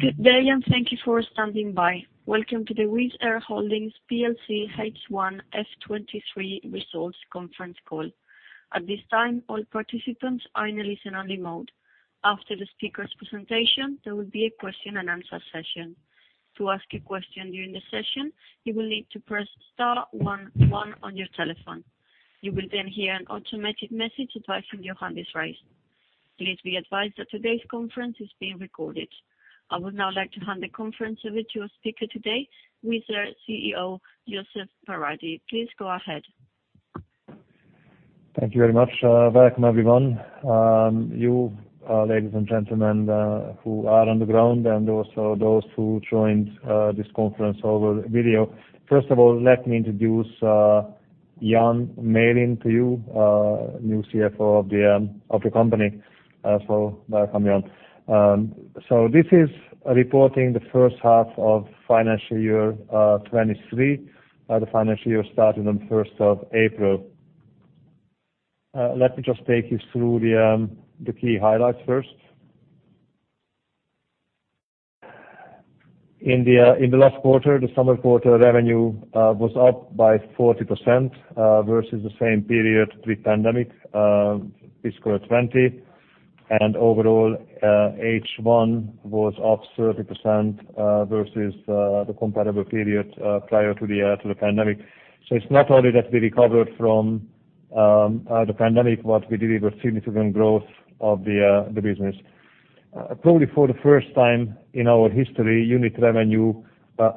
Good day, and thank you for standing by. Welcome to the Wizz Air Holdings Plc H1 FY 2023 results conference call. At this time, all participants are in a listen-only mode. After the speaker's presentation, there will be a question-and-answer session. To ask a question during the session, you will need to press star-one-one on your telephone. You will then hear an automated message advising your hand is raised. Please be advised that today's conference is being recorded. I would now like to hand the conference over to your speaker today, Wizz Air CEO, József Váradi. Please go ahead. Thank you very much. Welcome everyone. You ladies and gentlemen who are on the ground and also those who joined this conference over video. First of all, let me introduce Ian Malin to you, new CFO of the company. Welcome Ian. This is reporting the first half of financial year 2023. The financial year started on 1st April. Let me just take you through the key highlights first. In the last quarter, the summer quarter revenue was up by 40% versus the same period pre-pandemic, fiscal 2020. Overall, H1 was up 30% versus the comparable period prior to the pandemic. It's not only that we recovered from the pandemic, but we delivered significant growth of the business. Probably for the first time in our history, unit revenue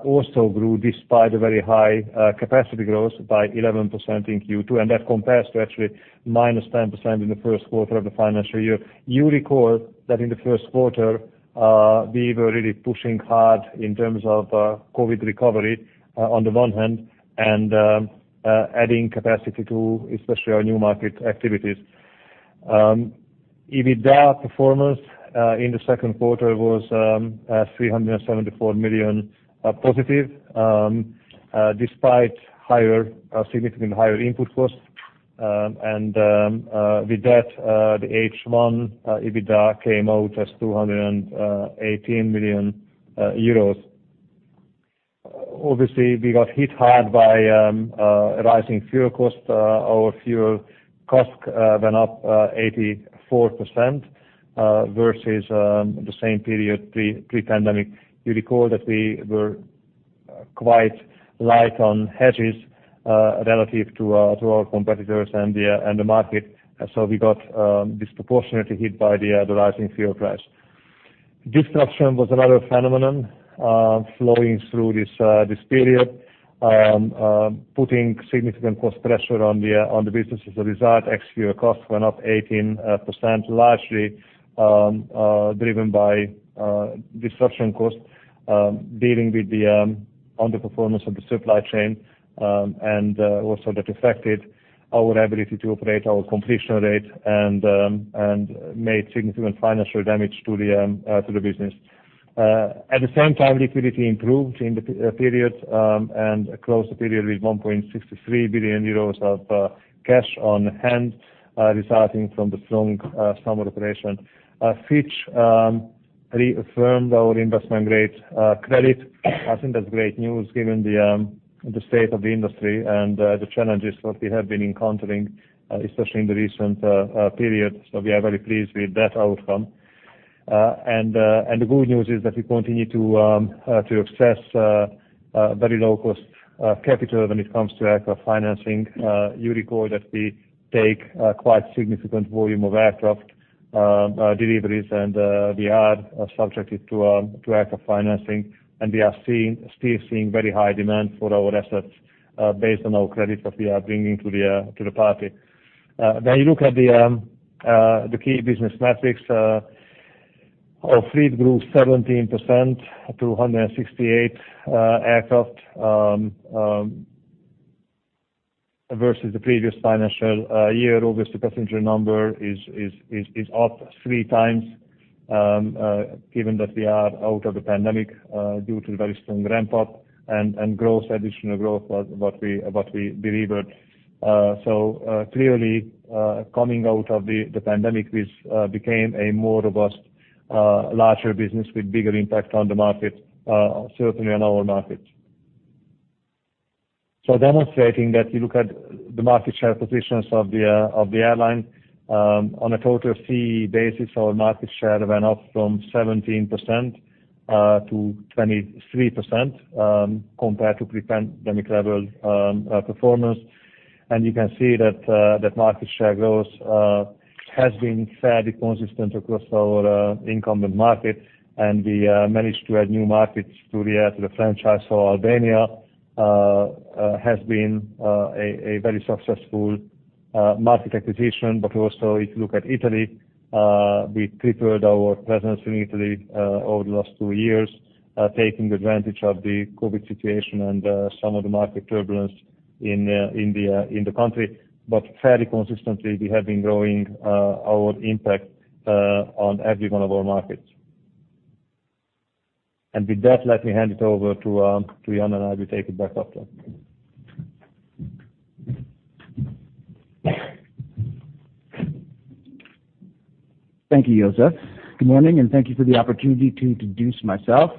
also grew despite a very high capacity growth by 11% in Q2, and that compares to actually -10% in the first quarter of the financial year. You recall that in the first quarter, we were really pushing hard in terms of COVID recovery on the one hand, and adding capacity to especially our new market activities. EBITDA performance in the second quarter was 374 million positive despite significantly higher input costs. With that, the H1 EBITDA came out as 218 million euros. Obviously, we got hit hard by rising fuel costs. Our fuel CASK went up 84% versus the same period pre-pandemic. You recall that we were quite light on hedges relative to our competitors and the market, so we got disproportionately hit by the rising fuel price. Disruption was another phenomenon flowing through this period, putting significant cost pressure on the business as a result. Ex-fuel costs went up 18%, largely driven by disruption costs dealing with the underperformance of the supply chain, and also that affected our ability to operate our completion rate and made significant financial damage to the business. At the same time, liquidity improved in the period and closed the period with 1.6 to 3 billion euros of cash on hand, resulting from the strong summer operation. Fitch reaffirmed our investment-grade credit. I think that's great news given the state of the industry and the challenges that we have been encountering, especially in the recent period. We are very pleased with that outcome. The good news is that we continue to access very low-cost capital when it comes to aircraft financing. You recall that we take quite significant volume of aircraft deliveries, and we are subjected to aircraft financing, and we are still seeing very high demand for our assets based on our credit that we are bringing to the party. When you look at the key business metrics, our fleet grew 17% to 168 aircraft versus the previous financial year. Obviously, passenger number is up 3x given that we are out of the pandemic due to the very strong ramp-up and additional growth what we delivered. Clearly, coming out of the pandemic, we became a more robust, larger business with bigger impact on the market, certainly on our market. Demonstrating that you look at the market share positions of the airline, on a total fee basis, our market share went up from 17% to 23%, compared to pre-pandemic level performance. You can see that market share growth has been fairly consistent across our incumbent market. We managed to add new markets to the franchise. Albania has been a very successful market acquisition. But also if you look at Italy, we tripled our presence in Italy over the last two years, taking advantage of the COVID situation and some of the market turbulence in the country. Fairly consistently, we have been growing our impact on every one of our markets. With that, let me hand it over to Ian, and I will take it back after. Thank you, József. Good morning, and thank you for the opportunity to introduce myself.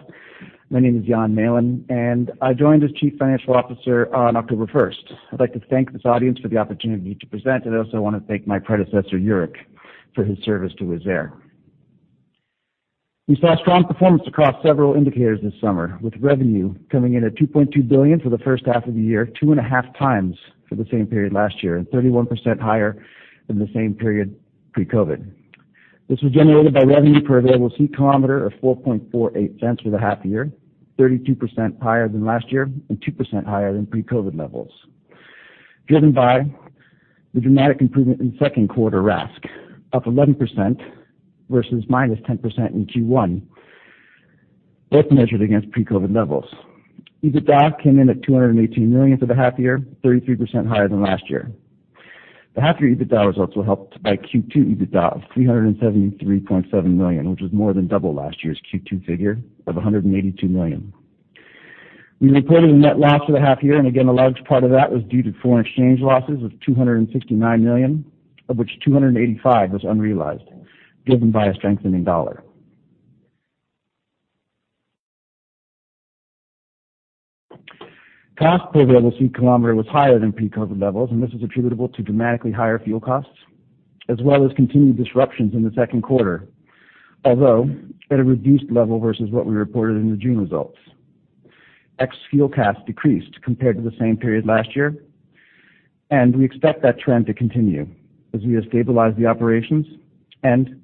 My name is Ian Malin, and I joined as Chief Financial Officer on October 1st. I'd like to thank this audience for the opportunity to present, and I also want to thank my predecessor, Jourik Hooghe, for his service to Wizz Air. We saw strong performance across several indicators this summer, with revenue coming in at 2.2 billion for the first half of the year, 2.5x for the same period last year, and 31% higher than the same period pre-COVID. This was generated by revenue per available seat kilometer of 0.0448 for the half year, 32% higher than last year and 2% higher than pre-COVID levels, driven by the dramatic improvement in second quarter RASK, up 11% versus -10% in Q1, both measured against pre-COVID levels. EBITDA came in at 218 million for the half year, 33% higher than last year. The half-year EBITDA results were helped by Q2 EBITDA of 373.7 million, which was more than double last year's Q2 figure of 182 million. We reported a net loss for the half year, and again, a large part of that was due to foreign exchange losses of 269 million, of which 285 million was unrealized, driven by a strengthening dollar. Cost per available seat kilometer was higher than pre-COVID levels, and this is attributable to dramatically higher fuel costs as well as continued disruptions in the second quarter, although at a reduced level versus what we reported in the June results. Ex-fuel costs decreased compared to the same period last year, and we expect that trend to continue as we have stabilized the operations and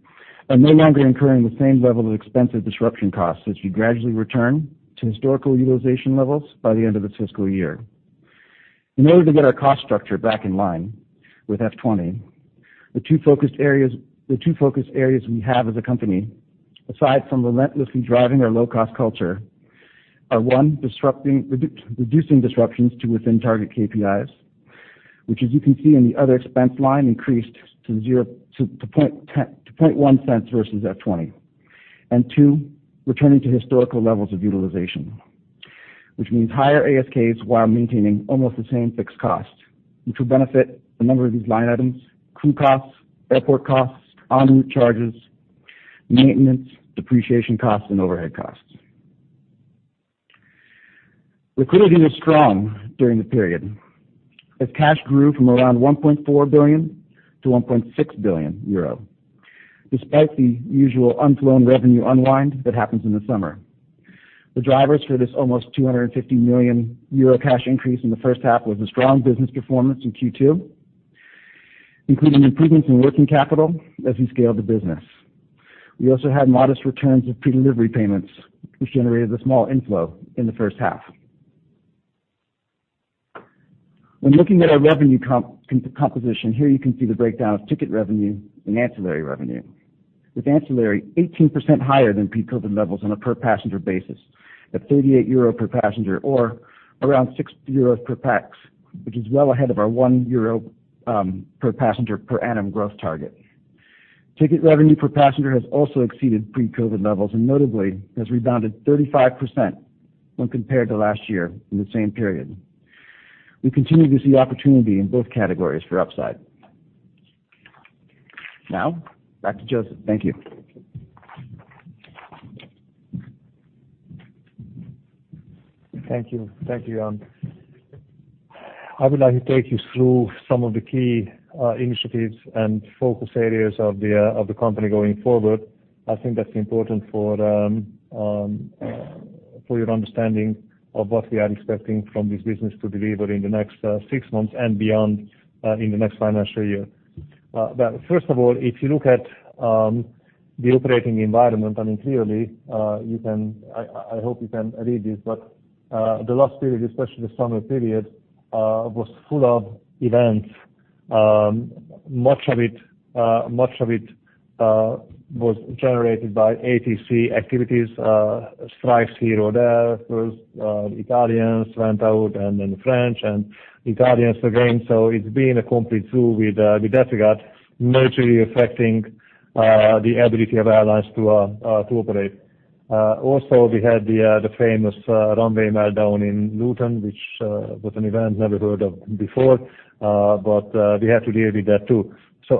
are no longer incurring the same level of expensive disruption costs as we gradually return to historical utilization levels by the end of this fiscal year. In order to get our cost structure back in line with FY 2020, the two focused areas we have as a company, aside from relentlessly driving our low-cost culture, are, one, reducing disruptions to within target KPIs, which, as you can see in the other expense line, increased to 0.01 cents versus FY 2020, and two, returning to historical levels of utilization, which means higher ASKs while maintaining almost the same fixed cost, which will benefit a number of these line items, crew costs, airport costs, en route charges, maintenance, depreciation costs, and overhead costs. Liquidity was strong during the period as cash grew from around 1.4 billion to 1.6 billion euro, despite the usual unflown revenue unwind that happens in the summer. The drivers for this almost 250 million euro cash increase in the first half was a strong business performance in Q2, including improvements in working capital as we scale the business. We also had modest returns of predelivery payments, which generated a small inflow in the first half. When looking at our revenue composition, here you can see the breakdown of ticket revenue and ancillary revenue, with ancillary 18% higher than pre-COVID levels on a per-passenger basis at 38 euro per passenger, or around 60 euros per pax, which is well ahead of our 1 euro per passenger per annum growth target. Ticket revenue per passenger has also exceeded pre-COVID levels and notably has rebounded 35% when compared to last year in the same period. We continue to see opportunity in both categories for upside. Now back to József. Thank you. Thank you. Thank you, Ian. I would like to take you through some of the key initiatives and focus areas of the company going forward. I think that's important for your understanding of what we are expecting from this business to deliver in the next six months and beyond in the next financial year. First of all, if you look at the operating environment, I mean, clearly, I hope you can read this, but the last period, especially the summer period, was full of events. Much of it was generated by ATC activities, strikes here or there. First, Italians went out, and then the French and Italians again. It's been a complete zoo in that regard, majorly affecting the ability of airlines to operate. Also, we had the famous runway meltdown in Luton, which was an event never heard of before, but we had to deal with that, too.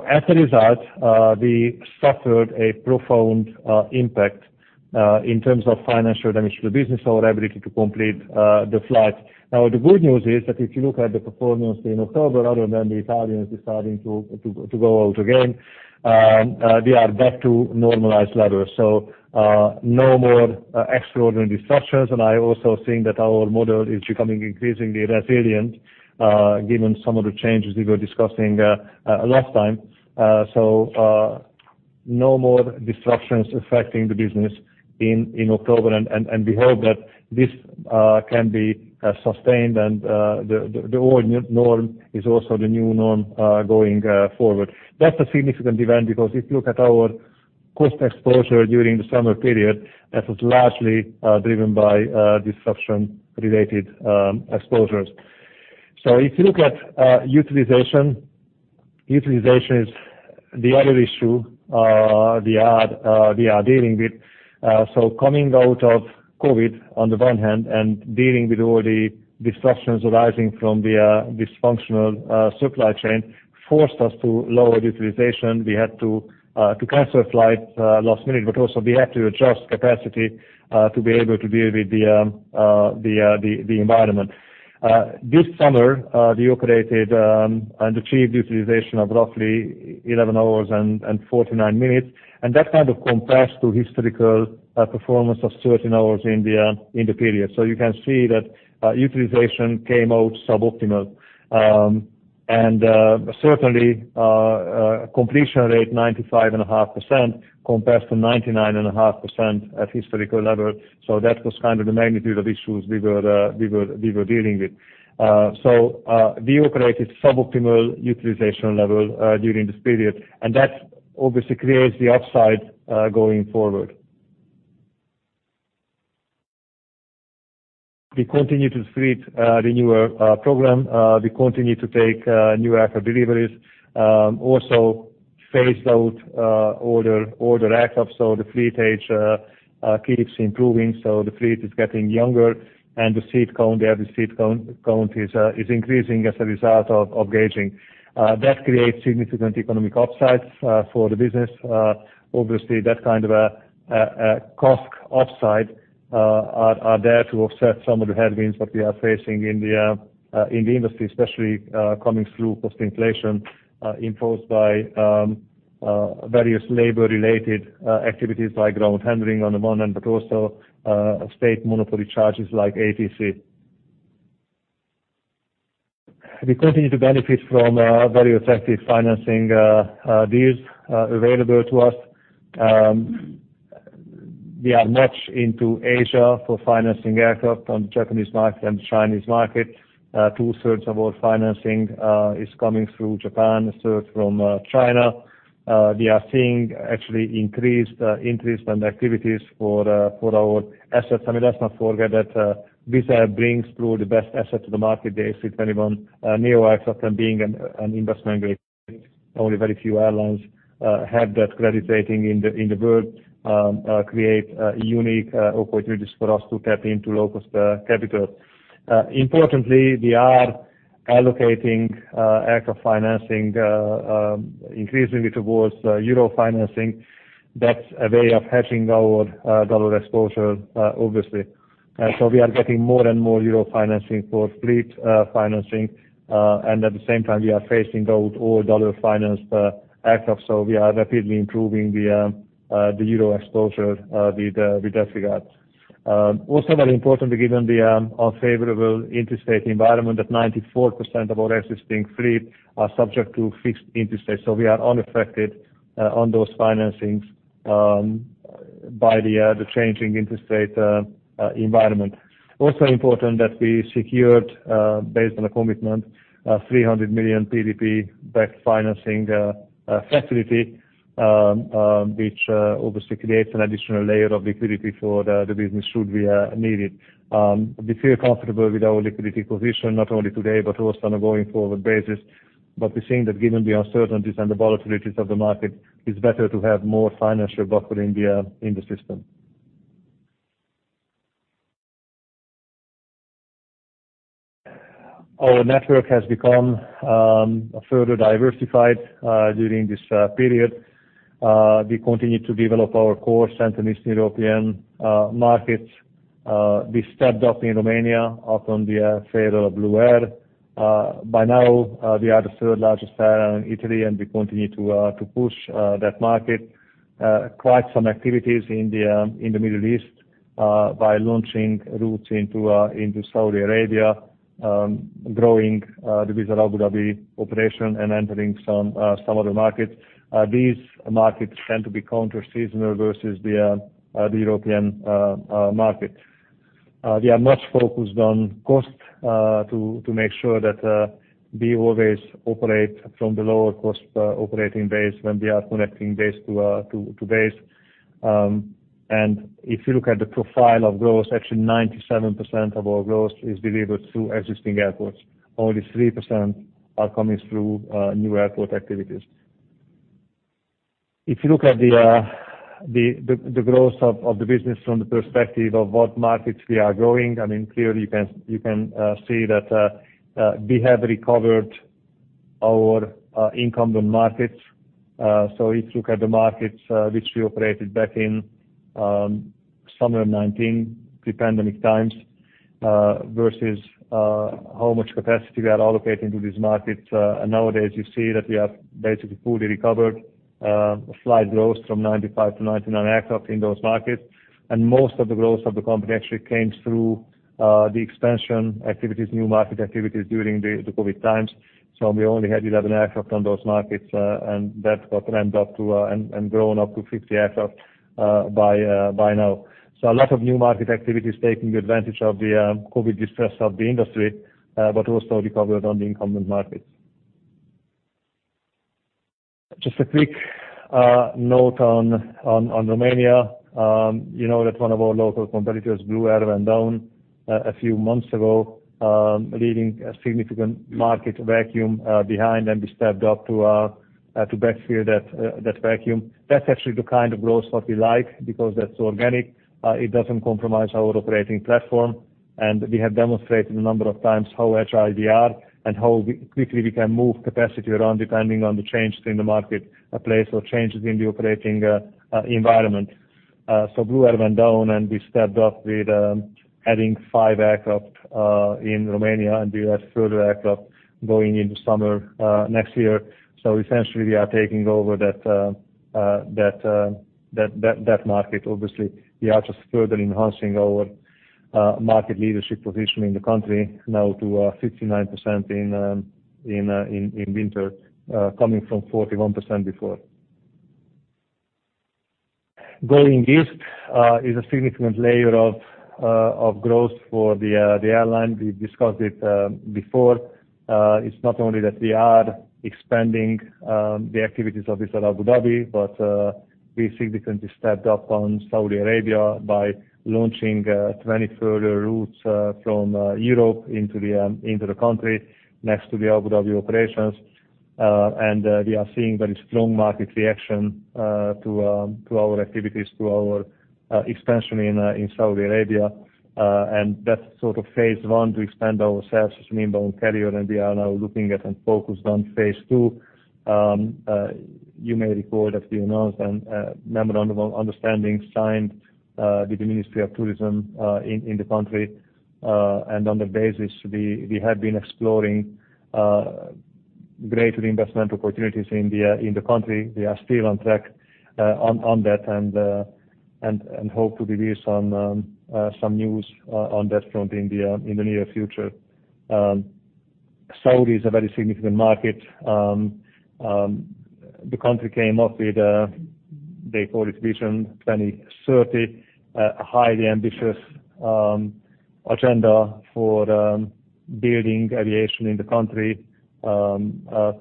As a result, we suffered a profound impact in terms of financial damage to the business, our ability to complete the flight. Now, the good news is that if you look at the performance in October, other than the Italians deciding to go out again, we are back to normalized levels, so no more extraordinary disruptions. I also think that our model is becoming increasingly resilient, given some of the changes we were discussing last time. No more disruptions affecting the business in October, and we hope that this can be sustained and the old norm is also the new norm going forward. That's a significant event because if you look at our cost exposure during the summer period, that was largely driven by disruption-related exposures. Utilization is the other issue we are dealing with. Coming out of COVID on the one hand and dealing with all the disruptions arising from the dysfunctional supply chain forced us to lower utilization. We had to cancel flights last minute, but also we had to adjust capacity to be able to deal with the environment. This summer, we operated and achieved utilization of roughly 11 hours and 49 minutes, and that kind of compares to historical performance of 13 hours in the period. You can see that utilization came out suboptimal. Certainly, completion rate 95.5% compared to 99.5% at historical level. That was the magnitude of issues we were dealing with. We operated suboptimal utilization level during this period, and that obviously creates the upside going forward. We continue to fleet renew our program. We continue to take new aircraft deliveries, also phase out older aircraft. The fleet age keeps improving, the fleet is getting younger and the average seat count is increasing as a result of upgauging. That creates significant economic upsides for the business. Obviously, that kind of a cost upside are there to offset some of the headwinds that we are facing in the industry, especially coming through cost inflation imposed by various labor-related activities like ground handling on the one hand, but also state monopoly charges like ATC. We continue to benefit from very effective financing deals available to us. We are much into Asia for financing aircraft on the Japanese market and Chinese market. 2/3 of our financing is coming through Japan, a third from China. We are seeing actually increased interest and activities for our assets. I mean, let's not forget that Wizz Air brings through the best asset to the market, the A321neo aircraft, and being an investment-grade, only very few airlines have that credit rating in the world create unique opportunities for us to tap into low-cost capital. Importantly, we are allocating aircraft financing increasingly towards euro financing. That's a way of hedging our dollar exposure, obviously. We are getting more and more euro financing for fleet financing, and at the same time we are phasing out all dollar-financed aircraft. We are rapidly improving the euro exposure with that regard. Also very importantly, given the unfavorable interest rate environment that 94% of our existing fleet are subject to fixed interest rates, we are unaffected on those financings by the changing interest rate environment. Also important that we secured, based on a commitment, 300 million PDP-backed financing facility, which obviously creates an additional layer of liquidity for the business should we need it. We feel comfortable with our liquidity position not only today, but also on a going-forward basis. We're seeing that given the uncertainties and the volatilities of the market, it's better to have more financial buffer in the system. Our network has become further diversified during this period. We continue to develop our core Central, Eastern European markets. We stepped up in Romania after the failure of Blue Air. By now, we are the third-largest airline in Italy, and we continue to push that market. Quite some activities in the Middle East by launching routes into Saudi Arabia, growing the Wizz Air Abu Dhabi operation and entering some other markets. These markets tend to be counter-seasonal versus the European market. We are much focused on cost to make sure that we always operate from the lower cost operating base when we are connecting base to base. If you look at the profile of growth, actually 97% of our growth is delivered through existing airports. Only 3% are coming through new airport activities. If you look at the growth of the business from the perspective of what markets we are growing, I mean, clearly you can see that we have recovered our incumbent markets. If you look at the markets which we operated back in summer 2019, pre-pandemic times, versus how much capacity we are allocating to these markets and nowadays you see that we have basically fully recovered, a slight growth from 95 to 99 aircraft in those markets. Most of the growth of the company actually came through the expansion activities, new market activities during the COVID times. We only had 11 aircraft on those markets, and that got ramped up to and grown up to 50 aircraft by now. A lot of new market activities taking advantage of the COVID distress of the industry, but also recovered on the incumbent markets. Just a quick note on Romania. You know that one of our local competitors, Blue Air, went down a few months ago, leaving a significant market vacuum behind, and we stepped up to backfill that vacuum. That's actually the kind of growth what we like because that's organic, it doesn't compromise our operating platform, and we have demonstrated a number of times how [agile] we are and how quickly we can move capacity around depending on the changes in the market place or changes in the operating environment. Blue Air went down, and we stepped up with adding five aircraft in Romania, and we have further aircraft going in the summer next year. Essentially we are taking over that market. Obviously, we are just further enhancing our market leadership position in the country now to 59% in winter coming from 41% before. Going east is a significant layer of growth for the airline. We discussed it before. It's not only that we are expanding the activities of Wizz Air Abu Dhabi, but we significantly stepped up on Saudi Arabia by launching 20 further routes from Europe into the country next to the Abu Dhabi operations. We are seeing very strong market reaction to our activities, to our expansion in Saudi Arabia. That's sort of phase one to expand ourselves as an inbound carrier, and we are now looking at and focused on phase II. You may recall that we announced a memorandum of understanding signed with the Ministry of Tourism in the country. On that basis, we have been exploring greater investment opportunities in the country. We are still on track on that and hope to release some news on that front in the near future. Saudi is a very significant market. The country came up with, they call it Vision 2030, a highly ambitious agenda for building aviation in the country,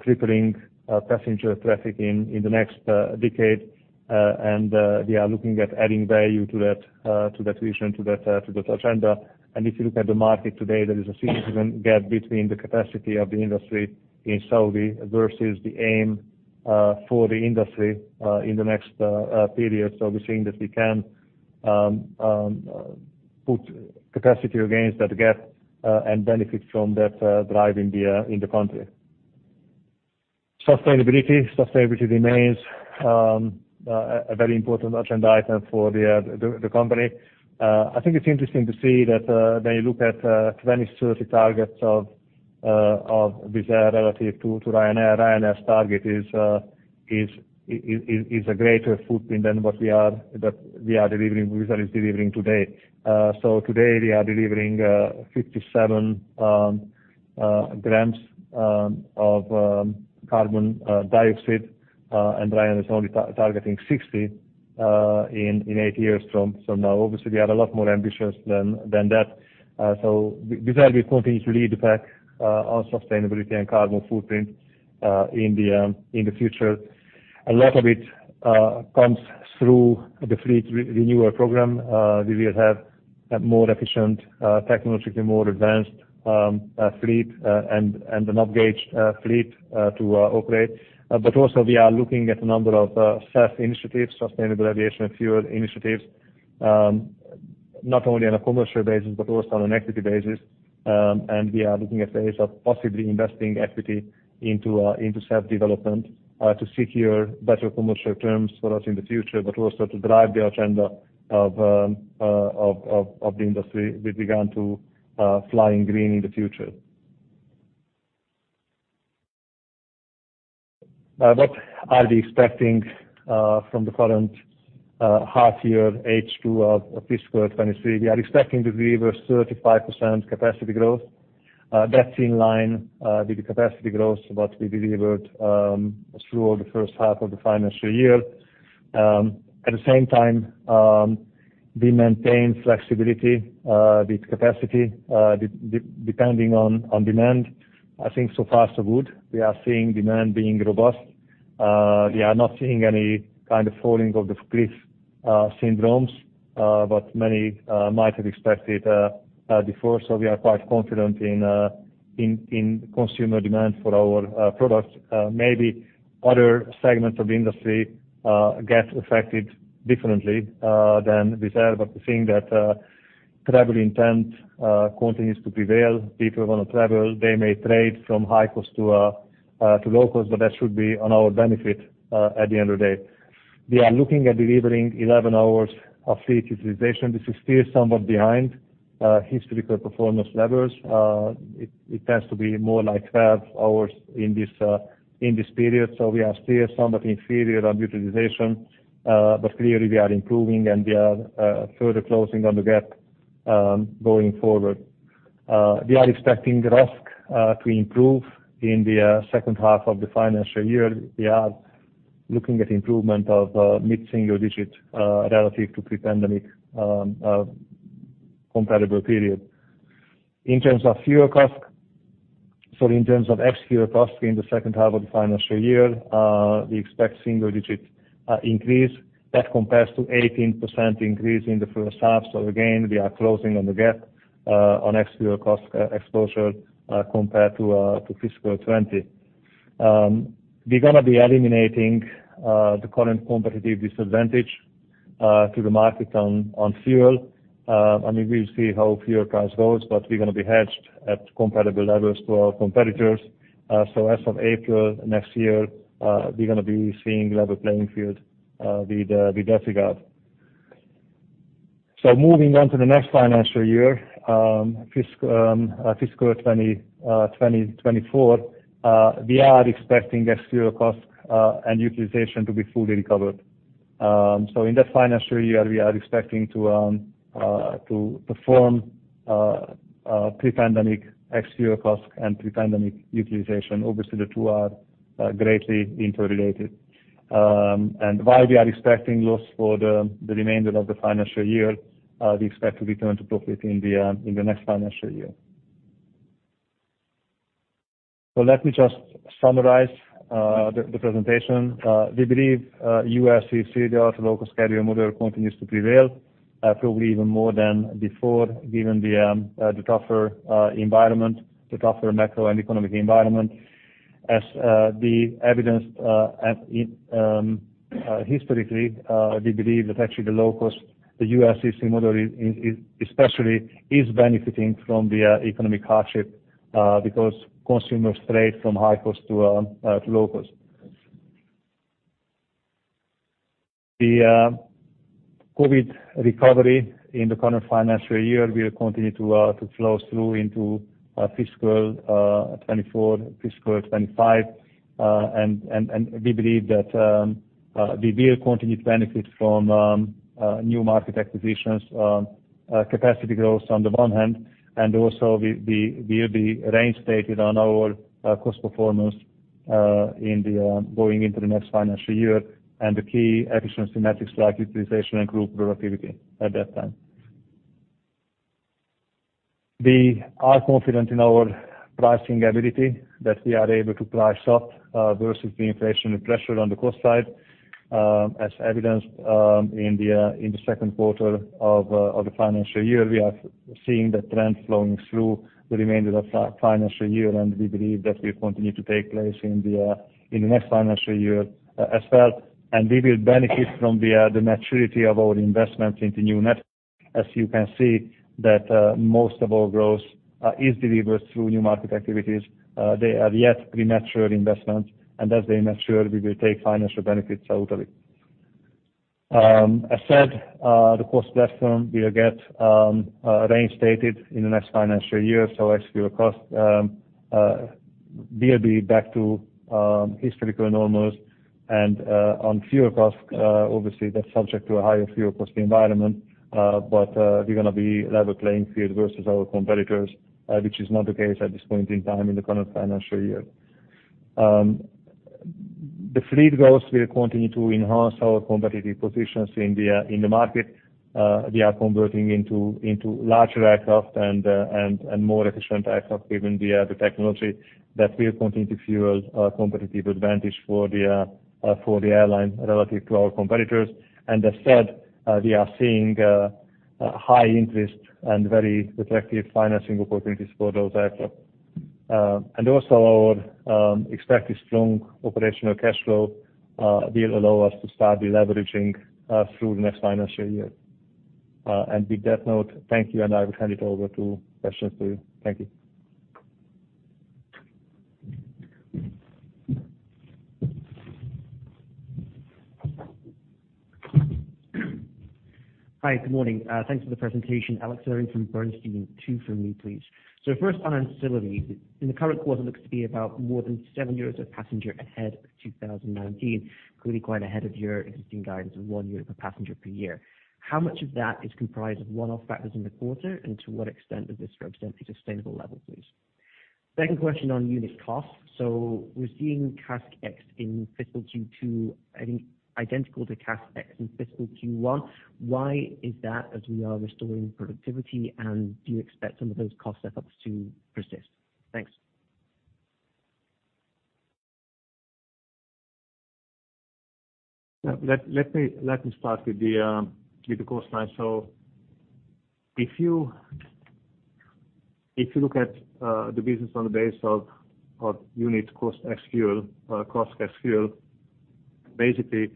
tripling passenger traffic in the next decade. We are looking at adding value to that vision, to that agenda. If you look at the market today, there is a significant gap between the capacity of the industry in Saudi versus the aim for the industry in the next period. We're seeing that we can put capacity against that gap and benefit from that drive in the country. Sustainability remains a very important agenda item for the company. I think it's interesting to see that when you look at 2030 targets of Wizz Air relative to Ryanair's target is a greater footprint than what we are delivering, Wizz Air is delivering today. Today, we are delivering 57 grams of carbon dioxide and Ryanair is only targeting 60 in eight years from now. Obviously, we are a lot more ambitious than that. Wizz Air will continue to lead the pack on sustainability and carbon footprint in the future. A lot of it comes through the fleet renewal program. We will have a more efficient, technologically more advanced fleet and an up-gauged fleet to operate. But also we are looking at a number of SAF initiatives, sustainable aviation fuel initiatives, not only on a commercial basis, but also on an equity basis. We are looking at ways of possibly investing equity into SAF development to secure better commercial terms for us in the future, but also to drive the agenda of the industry with regard to flying green in the future. What are we expecting from the current half year H2 of fiscal 2023? We are expecting to deliver 35% capacity growth. That's in line with the capacity growth what we delivered through all the first half of the financial year. At the same time, we maintain flexibility with capacity depending on demand. I think so far, so good. We are seeing demand being robust. We are not seeing any kind of falling off the cliff syndromes what many might have expected before. We are quite confident in consumer demand for our product. Maybe other segments of the industry get affected differently than Wizz Air, but we're seeing that travel intent continues to prevail. People wanna travel. They may trade from high-cost to low-cost, but that should be on our benefit at the end of the day. We are looking at delivering 11 hours of fleet utilization. This is still somewhat behind historical performance levels. It tends to be more like 12 hours in this period. We are still somewhat inferior on utilization, but clearly we are improving, and we are further closing on the gap going forward. We are expecting RASK to improve in the second half of the financial year. We are looking at improvement of mid-single digits relative to pre-pandemic comparable period. In terms of fuel cost, in terms of ex-fuel cost in the second half of the financial year, we expect single digit increase. That compares to 18% increase in the first half. Again, we are closing the gap on ex-fuel cost exposure compared to fiscal 2020. We're gonna be eliminating the current competitive disadvantage to the market on fuel. I mean, we'll see how fuel price goes, but we're gonna be hedged at comparable levels to our competitors. As from April next year, we're gonna be seeing level playing field with Wizz Air. Moving on to the next financial year, fiscal 2024, we are expecting ex-fuel cost and utilization to be fully recovered. In that financial year, we are expecting to perform pre-pandemic ex-fuel cost and pre-pandemic utilization. Obviously, the two are greatly interrelated. While we are expecting loss for the remainder of the financial year, we expect to return to profit in the next financial year. Let me just summarize the presentation. We believe U.S. ultra-low-cost carrier model continues to prevail, probably even more than before, given the tougher environment, the tougher macro and economic environment as the evidence historically. We believe that actually the low cost, the ULCC model is especially benefiting from the economic hardship because consumers trade from high cost to low cost. The COVID recovery in the current financial year will continue to flow through into fiscal 2024, fiscal 2025. We believe that we will continue to benefit from new market acquisitions, capacity growth on the one hand, and also we will be reinstated on our cost performance in the going into the next financial year and the key efficiency metrics like utilization and group productivity at that time. We are confident in our pricing ability that we are able to price up versus the inflationary pressure on the cost side as evidenced in the second quarter of the financial year. We are seeing the trend flowing through the remainder of our financial year, and we believe that will continue to take place in the next financial year as well. We will benefit from the maturity of our investments into new networks. As you can see that, most of our growth is delivered through new market activities. They are yet premature investments, and as they mature, we will take financial benefits out of it. As said, the cost platform will get reinstated in the next financial year. Ex-fuel cost will be back to historical normals. On fuel cost, obviously that's subject to a higher fuel cost environment, but we're gonna be level playing field versus our competitors, which is not the case at this point in time in the current financial year. The fleet growth will continue to enhance our competitive positions in the market. We are converting into larger aircraft and more efficient aircraft given the technology that will continue to fuel our competitive advantage for the airline relative to our competitors. As said, we are seeing high interest and very attractive financing opportunities for those aircraft. Also our expected strong operational cash flow will allow us to start deleveraging through the next financial year. With that note, thank you, and I will hand it over to questions to you. Thank you. Hi, good morning. Thanks for the presentation. Alexander Irving from Bernstein. Two from me, please. First on ancillaries. In the current quarter, it looks to be about more than 7 euros a passenger ahead of 2019, clearly quite ahead of your existing guidance of 1 euro per passenger per year. How much of that is comprised of one-off factors in the quarter, and to what extent does this represent a sustainable level, please? Second question on unit costs. We're seeing CASK ex in fiscal Q2, I think identical to CASK ex in fiscal Q1. Why is that as we are restoring productivity, and do you expect some of those cost setups to persist? Thanks. Yeah. Let me start with the cost side. If you look at the business on the basis of unit cost ex-fuel, basically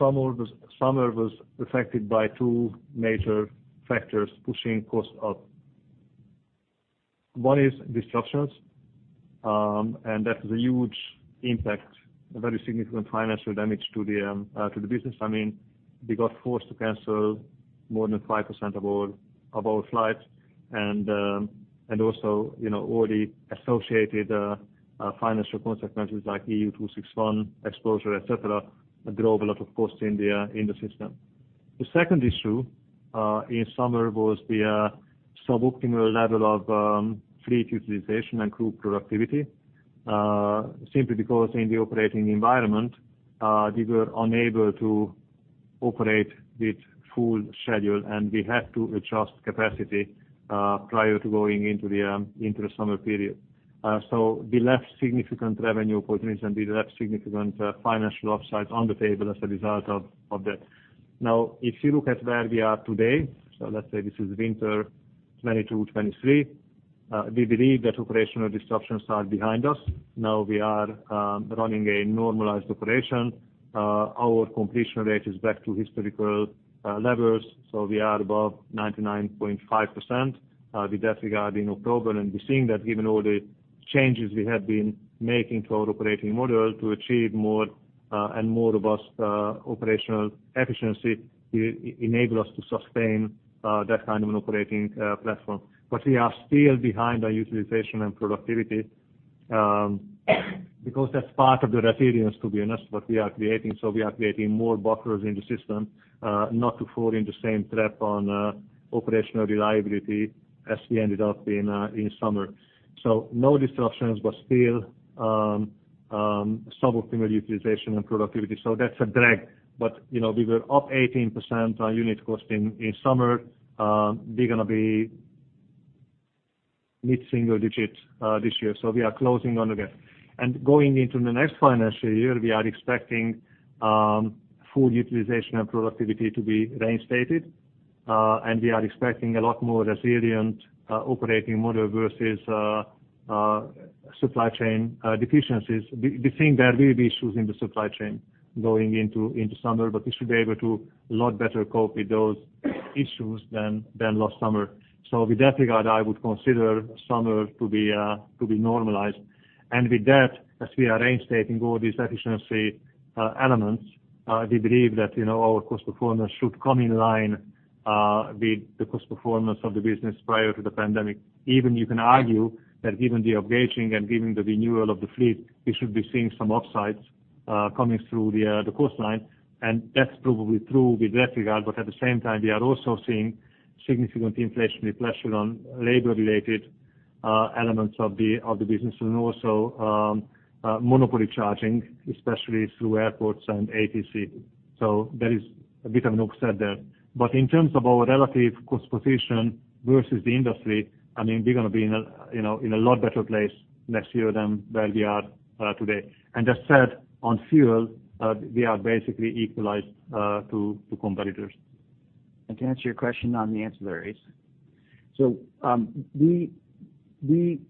summer was affected by two major factors pushing costs up. One is disruptions, and that was a huge impact, a very significant financial damage to the business. I mean, we got forced to cancel more than 5% of our flights and also, you know, all the associated financial consequences like EU261 exposure, et cetera, drove a lot of costs in the system. The second issue in summer was the suboptimal level of fleet utilization and crew productivity, simply because in the operating environment, we were unable to operate with full schedule, and we had to adjust capacity prior to going into the summer period. We left significant revenue opportunities, and we left significant financial upsides on the table as a result of that. Now, if you look at where we are today, let's say this is winter 2022/2023, we believe that operational disruptions are behind us. Now we are running a normalized operation. Our completion rate is back to historical levels, so we are above 99.5%. With that regard in October, we're seeing that given all the changes we have been making to our operating model to achieve more and more robust operational efficiency enable us to sustain that kind of an operating platform. We are still behind on utilization and productivity, because that's part of the resilience to be honest what we are creating, so we are creating more buffers in the system not to fall in the same trap on operational reliability as we ended up in summer. No disruptions, but still sub-optimal utilization and productivity, so that's a drag. You know, we were up 18% on unit cost in summer. We're gonna be mid-single digits this year, so we are closing on the gap. Going into the next financial year, we are expecting full utilization and productivity to be reinstated. We are expecting a lot more resilient operating model versus supply chain deficiencies. We think there will be issues in the supply chain going into summer, but we should be able to a lot better cope with those issues than last summer. With that regard, I would consider summer to be normalized. With that, as we are reinstating all these efficiency elements, we believe that, you know, our cost performance should come in line with the cost performance of the business prior to the pandemic. Even you can argue that given the aging and given the renewal of the fleet, we should be seeing some upsides coming through the cost line, and that's probably true with that regard. At the same time, we are also seeing significant inflationary pressure on labor-related elements of the business and also monopoly charging, especially through airports and ATC. There is a bit of an offset there. In terms of our relative cost position versus the industry, I mean, we're gonna be in a, you know, in a lot better place next year than where we are today. As said on fuel, we are basically equalized to competitors. To answer your question on the ancillaries. We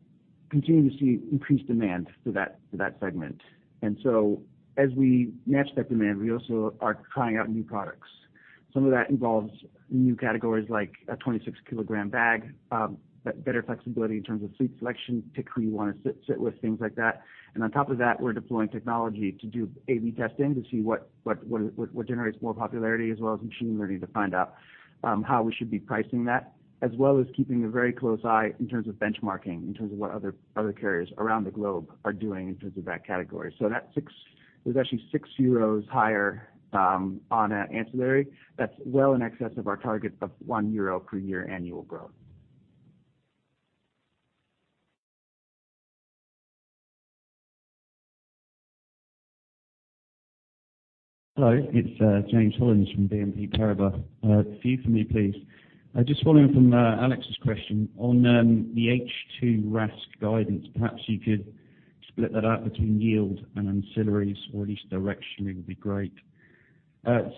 continue to see increased demand to that segment. As we match that demand, we also are trying out new products. Some of that involves new categories like a 26-kilogram bag, better flexibility in terms of seat selection, pick who you wanna sit with, things like that. On top of that, we're deploying technology to do A/B testing to see what generates more popularity, as well as machine learning to find out how we should be pricing that, as well as keeping a very close eye in terms of benchmarking, in terms of what other carriers around the globe are doing in terms of that category. It was actually 6 euros higher on ancillary. That's well in excess of our target of 1 euro per year annual growth. Hello, it's James Goodall from BNP Paribas. A few for me, please. Just following from Alex's question on the H2 RASK guidance. Perhaps you could split that out between yield and ancillaries, or at least directionally would be great.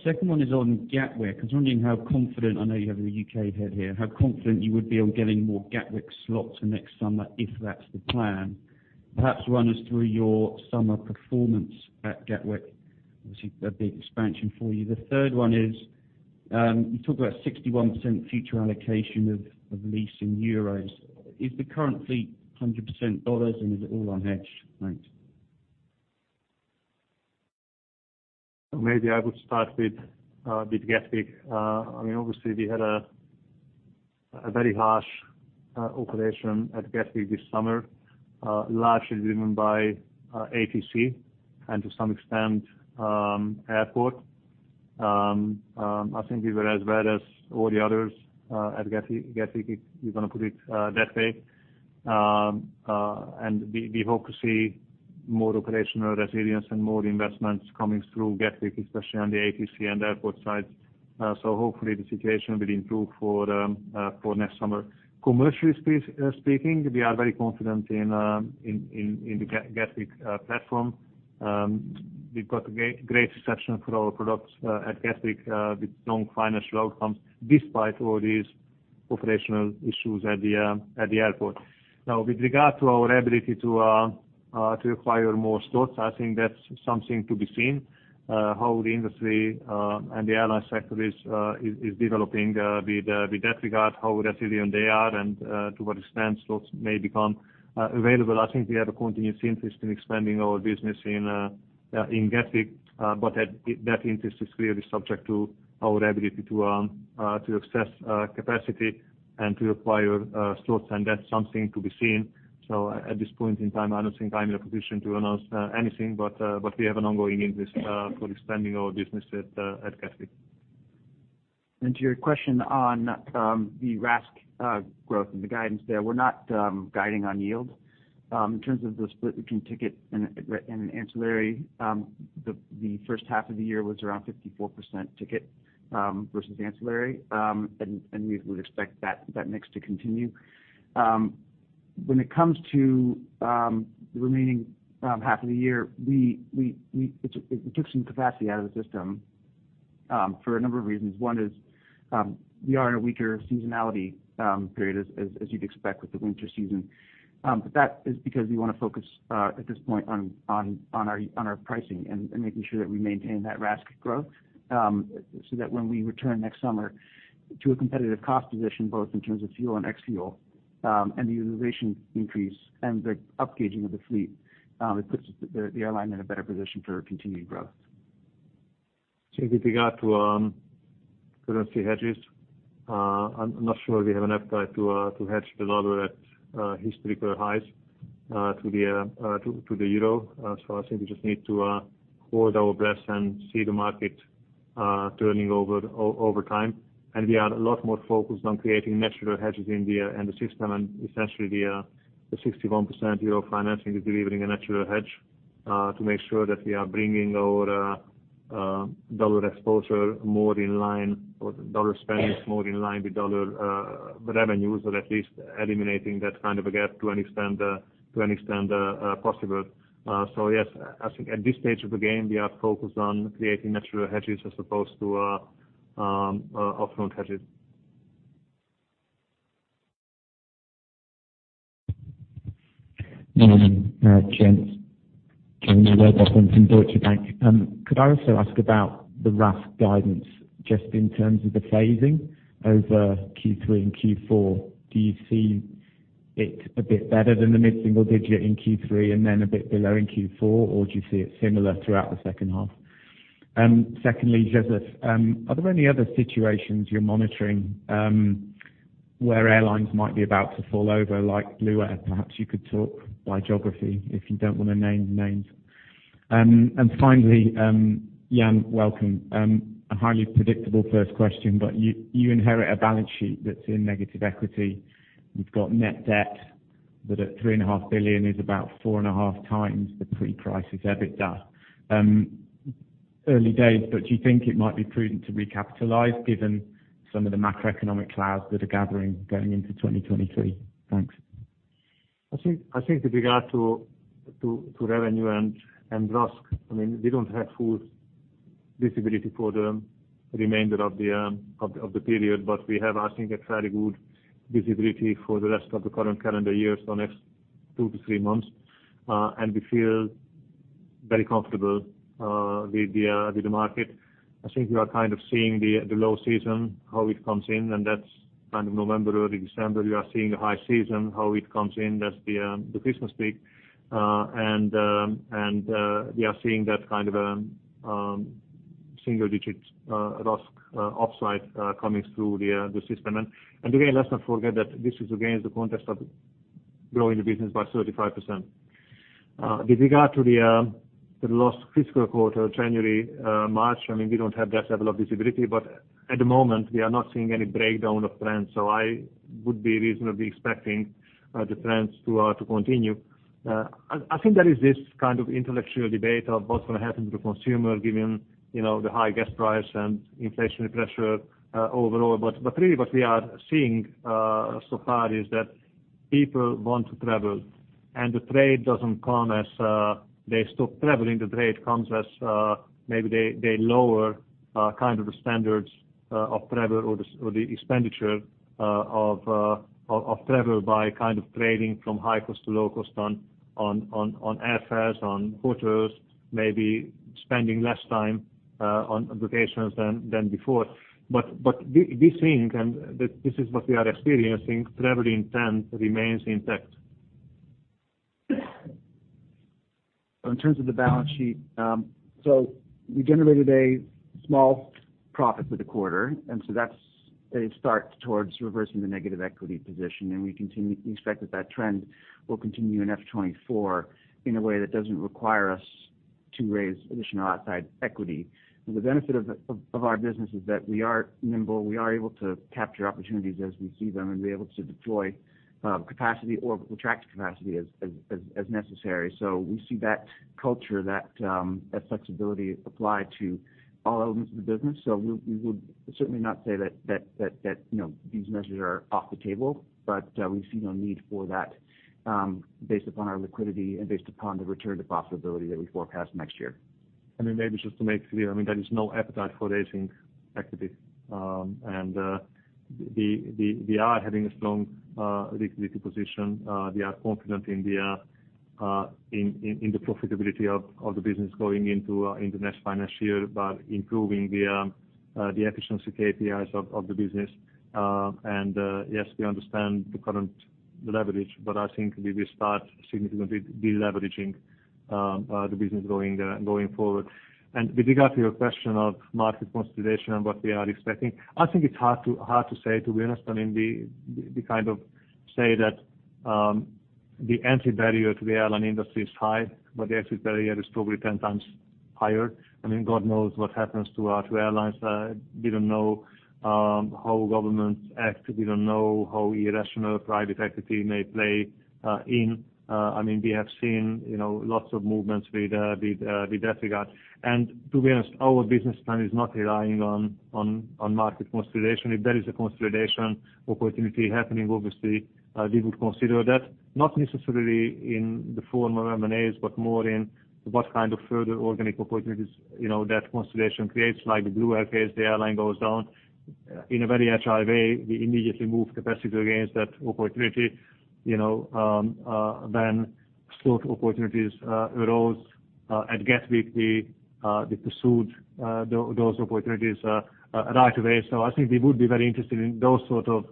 Second one is on Gatwick. I was wondering how confident, I know you have a U.K. head here, how confident you would be on getting more Gatwick slots for next summer, if that's the plan. Perhaps run us through your summer performance at Gatwick. Obviously, a big expansion for you. The third one is, you talk about 61% future allocation of leasing euros. Is the current fleet 100% dollars and is it all unhedged? Thanks. Maybe I would start with Gatwick. I mean, obviously we had a very harsh operation at Gatwick this summer, largely driven by ATC and to some extent airport. I think we were as bad as all the others at Gatwick, if you're gonna put it that way. We hope to see more operational resilience and more investments coming through Gatwick, especially on the ATC and airport side. Hopefully the situation will improve for next summer. Commercially speaking, we are very confident in the Gatwick platform. We've got a great reception for our products at Gatwick with strong financial outcomes despite all these operational issues at the airport. Now with regard to our ability to acquire more slots, I think that's something to be seen, how the industry and the airline sector is developing, with that regard, how resilient they are and to what extent slots may become available. I think we have a continuous interest in expanding our business in Gatwick. That interest is clearly subject to our ability to access capacity and to acquire slots, and that's something to be seen. At this point in time, I don't think I'm in a position to announce anything, but we have an ongoing interest for expanding our business at Gatwick. To your question on the RASK growth and the guidance there, we're not guiding on yield. In terms of the split between ticket and ancillary, the first half of the year was around 54% ticket versus ancillary. We would expect that mix to continue. When it comes to the remaining half of the year, it took some capacity out of the system for a number of reasons. One is we are in a weaker seasonality period as you'd expect with the winter season. That is because we wanna focus at this point on our pricing and making sure that we maintain that RASK growth. That when we return next summer to a competitive cost position, both in terms of fuel and ex-fuel, and the utilization increase and the up gauging of the fleet, it puts the airline in a better position for continued growth. With regard to currency hedges, I'm not sure we have an appetite to hedge the dollar at historical highs to the euro. I think we just need to hold our breath and see the market turning over time. We are a lot more focused on creating natural hedges in the system. Essentially the 61% euro financing is delivering a natural hedge to make sure that we are bringing our dollar exposure more in line, or dollar spend more in line with dollar revenues or at least eliminating that kind of a gap to any extent possible. Yes, I think at this stage of the game, we are focused on creating natural hedges as opposed to upfront hedges. Gents, Jaime Rowbotham from Deutsche Bank. Could I also ask about the RASK guidance just in terms of the phasing over Q3 and Q4? Do you see it a bit better than the mid-single digit% in Q3 and then a bit below in Q4, or do you see it similar throughout the second half? Secondly, József, are there any other situations you're monitoring where airlines might be about to fall over like Blue Air? Perhaps you could talk by geography if you don't wanna name names. Finally, Ian, welcome. A highly predictable first question, but you inherit a balance sheet that's in negative equity. You've got net debt that at 3.5 billion is about 4.5x the pre-crisis EBITDA. Early days, but do you think it might be prudent to recapitalize given some of the macroeconomic clouds that are gathering going into 2023? Thanks. I think with regard to revenue and RASK, I mean, we don't have full visibility for the remainder of the period, but we have, I think, a fairly good visibility for the rest of the current calendar year, so next two to three months. We feel very comfortable with the market. I think we are kind of seeing the low season, how it comes in, and that's kind of November, early December. We are seeing the high season, how it comes in, that's the Christmas peak. We are seeing that kind of single digit RASK upside coming through the system. Again, let's not forget that this is again the context of growing the business by 35%. With regard to the last fiscal quarter, January-March, I mean, we don't have that level of visibility, but at the moment we are not seeing any breakdown of trends. I would be reasonably expecting the trends to continue. I think there is this kind of intellectual debate of what's gonna happen to the consumer given, you know, the high gas price and inflationary pressure overall. Really what we are seeing so far is that people want to travel and the trade-off doesn't come as they stop traveling. The trade comes as maybe they lower kind of the standards of travel or the expenditure of travel by kind of trading from high cost to low cost on airfares, on hotels, maybe spending less time on vacations than before. We think, and this is what we are experiencing, travel intent remains intact. In terms of the balance sheet, we generated a small profit for the quarter, and so that's a start towards reversing the negative equity position. We expect that trend will continue in FY 2024 in a way that doesn't require us to raise additional outside equity. The benefit of our business is that we are nimble. We are able to capture opportunities as we see them, and we're able to deploy capacity or retract capacity as necessary. We see that culture, that flexibility apply to all elements of the business. We would certainly not say that, you know, these measures are off the table, but we see no need for that, based upon our liquidity and based upon the return to profitability that we forecast next year. Then maybe just to make clear, I mean, there is no appetite for raising equity. We are having a strong liquidity position. We are confident in the profitability of the business going into the next financial year by improving the efficiency KPIs of the business. Yes, we understand the current leverage, but I think we will start significantly de-leveraging the business going forward. With regard to your question of market consolidation and what we are expecting, I think it's hard to say to be honest. I mean, we kind of say that the entry barrier to the airline industry is high, but the exit barrier is probably ten times higher. I mean, God knows what happens to our two airlines. We don't know how governments act, we don't know how irrational private equity may play in. I mean, we have seen, you know, lots of movements with that regard. To be honest, our business plan is not relying on market consolidation. If there is a consolidation opportunity happening, obviously, we would consider that, not necessarily in the form of M&As, but more in what kind of further organic opportunities, you know, that consolidation creates, like the Blue Air, the airline goes down. In a very [agile] way, we immediately move capacity against that opportunity, you know, then slot opportunities arose at Gatwick, we pursued those opportunities right away. I think we would be very interested in those sort of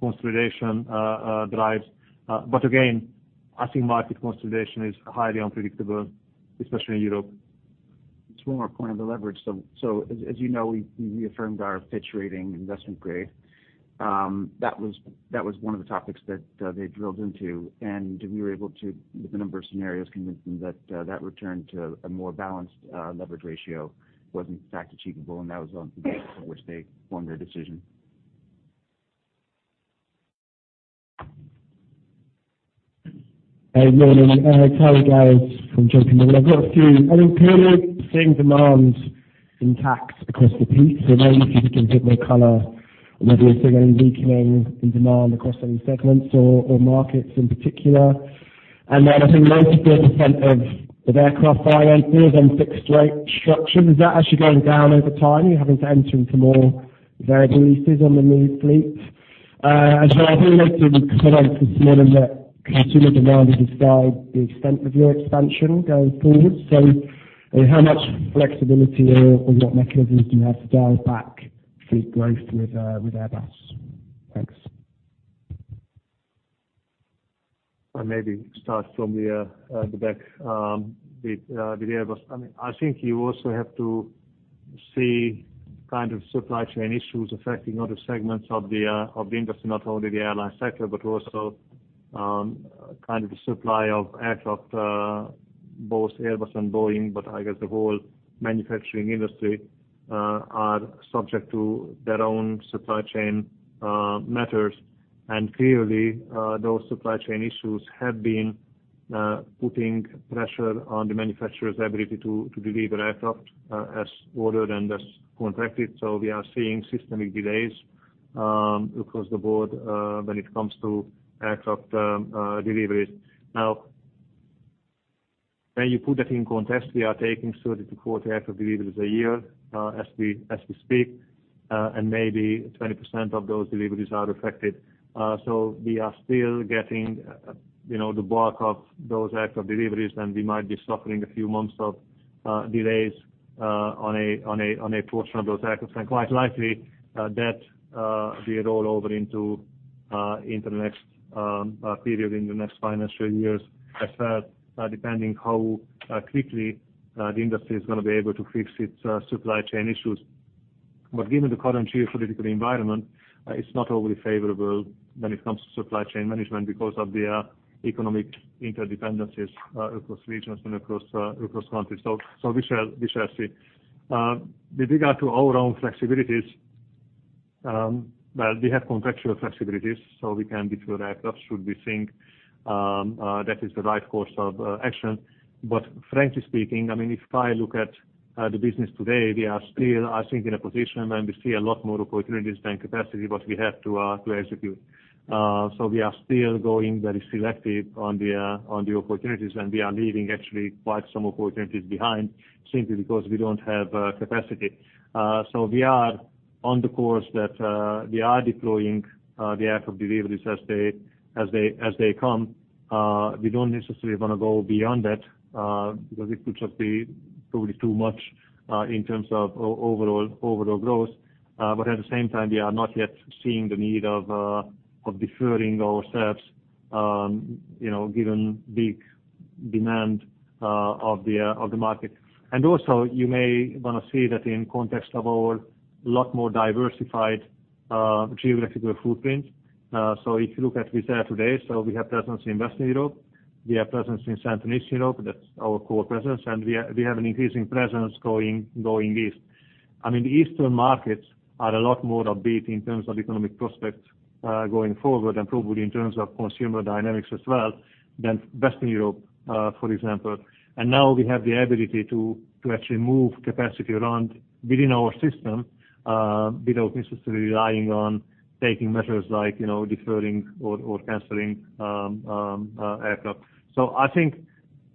consolidation drives. Again, I think market consolidation is highly unpredictable, especially in Europe. Just one more point on the leverage. As you know, we reaffirmed our Fitch rating investment grade. That was one of the topics that they drilled into, and we were able to, with a number of scenarios, convince them that that return to a more balanced leverage ratio was in fact achievable, and that was on which they formed their decision. Hey, good morning. Harry Gowers from J.P. Morgan. I've got a few. I mean, clearly seeing demand intact across the piece. Maybe if you can give more color on whether you're seeing any weakening in demand across any segments or markets in particular. Then I think 90% of the aircraft financing is on fixed rate structures, is that actually going down over time? Are you having to enter into more variable leases on the new fleet? As well, I think you mentioned this morning that consumer demand will decide the extent of your expansion going forward. How much flexibility or what mechanisms do you have to dial back fleet growth with Airbus? Thanks. I maybe start from the back with the Airbus. I mean, I think you also have to see kind of supply chain issues affecting other segments of the industry, not only the airline sector, but also kind of the supply of aircraft both Airbus and Boeing, but I guess the whole manufacturing industry are subject to their own supply chain matters. Clearly, those supply chain issues have been putting pressure on the manufacturer's ability to deliver aircraft as ordered and as contracted. We are seeing systemic delays across the board when it comes to aircraft deliveries. Now, when you put that in context, we are taking 30-40 aircraft deliveries a year, as we speak, and maybe 20% of those deliveries are affected. We are still getting, you know, the bulk of those aircraft deliveries, and we might be suffering a few months of delays on a portion of those aircraft. Quite likely, that will roll over into the next period in the next financial years as well, depending how quickly the industry is gonna be able to fix its supply chain issues. Given the current geopolitical environment, it's not overly favorable when it comes to supply chain management because of the economic interdependencies across regions and across countries. We shall see. With regard to our own flexibilities, well, we have contractual flexibilities, so we can defer aircraft should we think that is the right course of action. But frankly speaking, I mean, if I look at the business today, we are still, I think, in a position when we see a lot more opportunities than capacity, but we have to execute. We are still going very selective on the opportunities, and we are leaving actually quite some opportunities behind simply because we don't have capacity. We are on the course that we are deploying the aircraft deliveries as they come. We don't necessarily wanna go beyond that, because it could just be probably too much in terms of overall growth. At the same time, we are not yet seeing the need of deferring ourselves, you know, given the demand of the market. Also, you may wanna see that in context of our lot more diversified geographical footprint. If you look at Wizz Air today, we have presence in Western Europe, we have presence in Central and Eastern Europe, that's our core presence, and we have an increasing presence going east. I mean, the eastern markets are a lot more upbeat in terms of economic prospects going forward, and probably in terms of consumer dynamics as well, than Western Europe, for example. Now we have the ability to actually move capacity around within our system without necessarily relying on taking measures like, you know, deferring or canceling aircraft. I think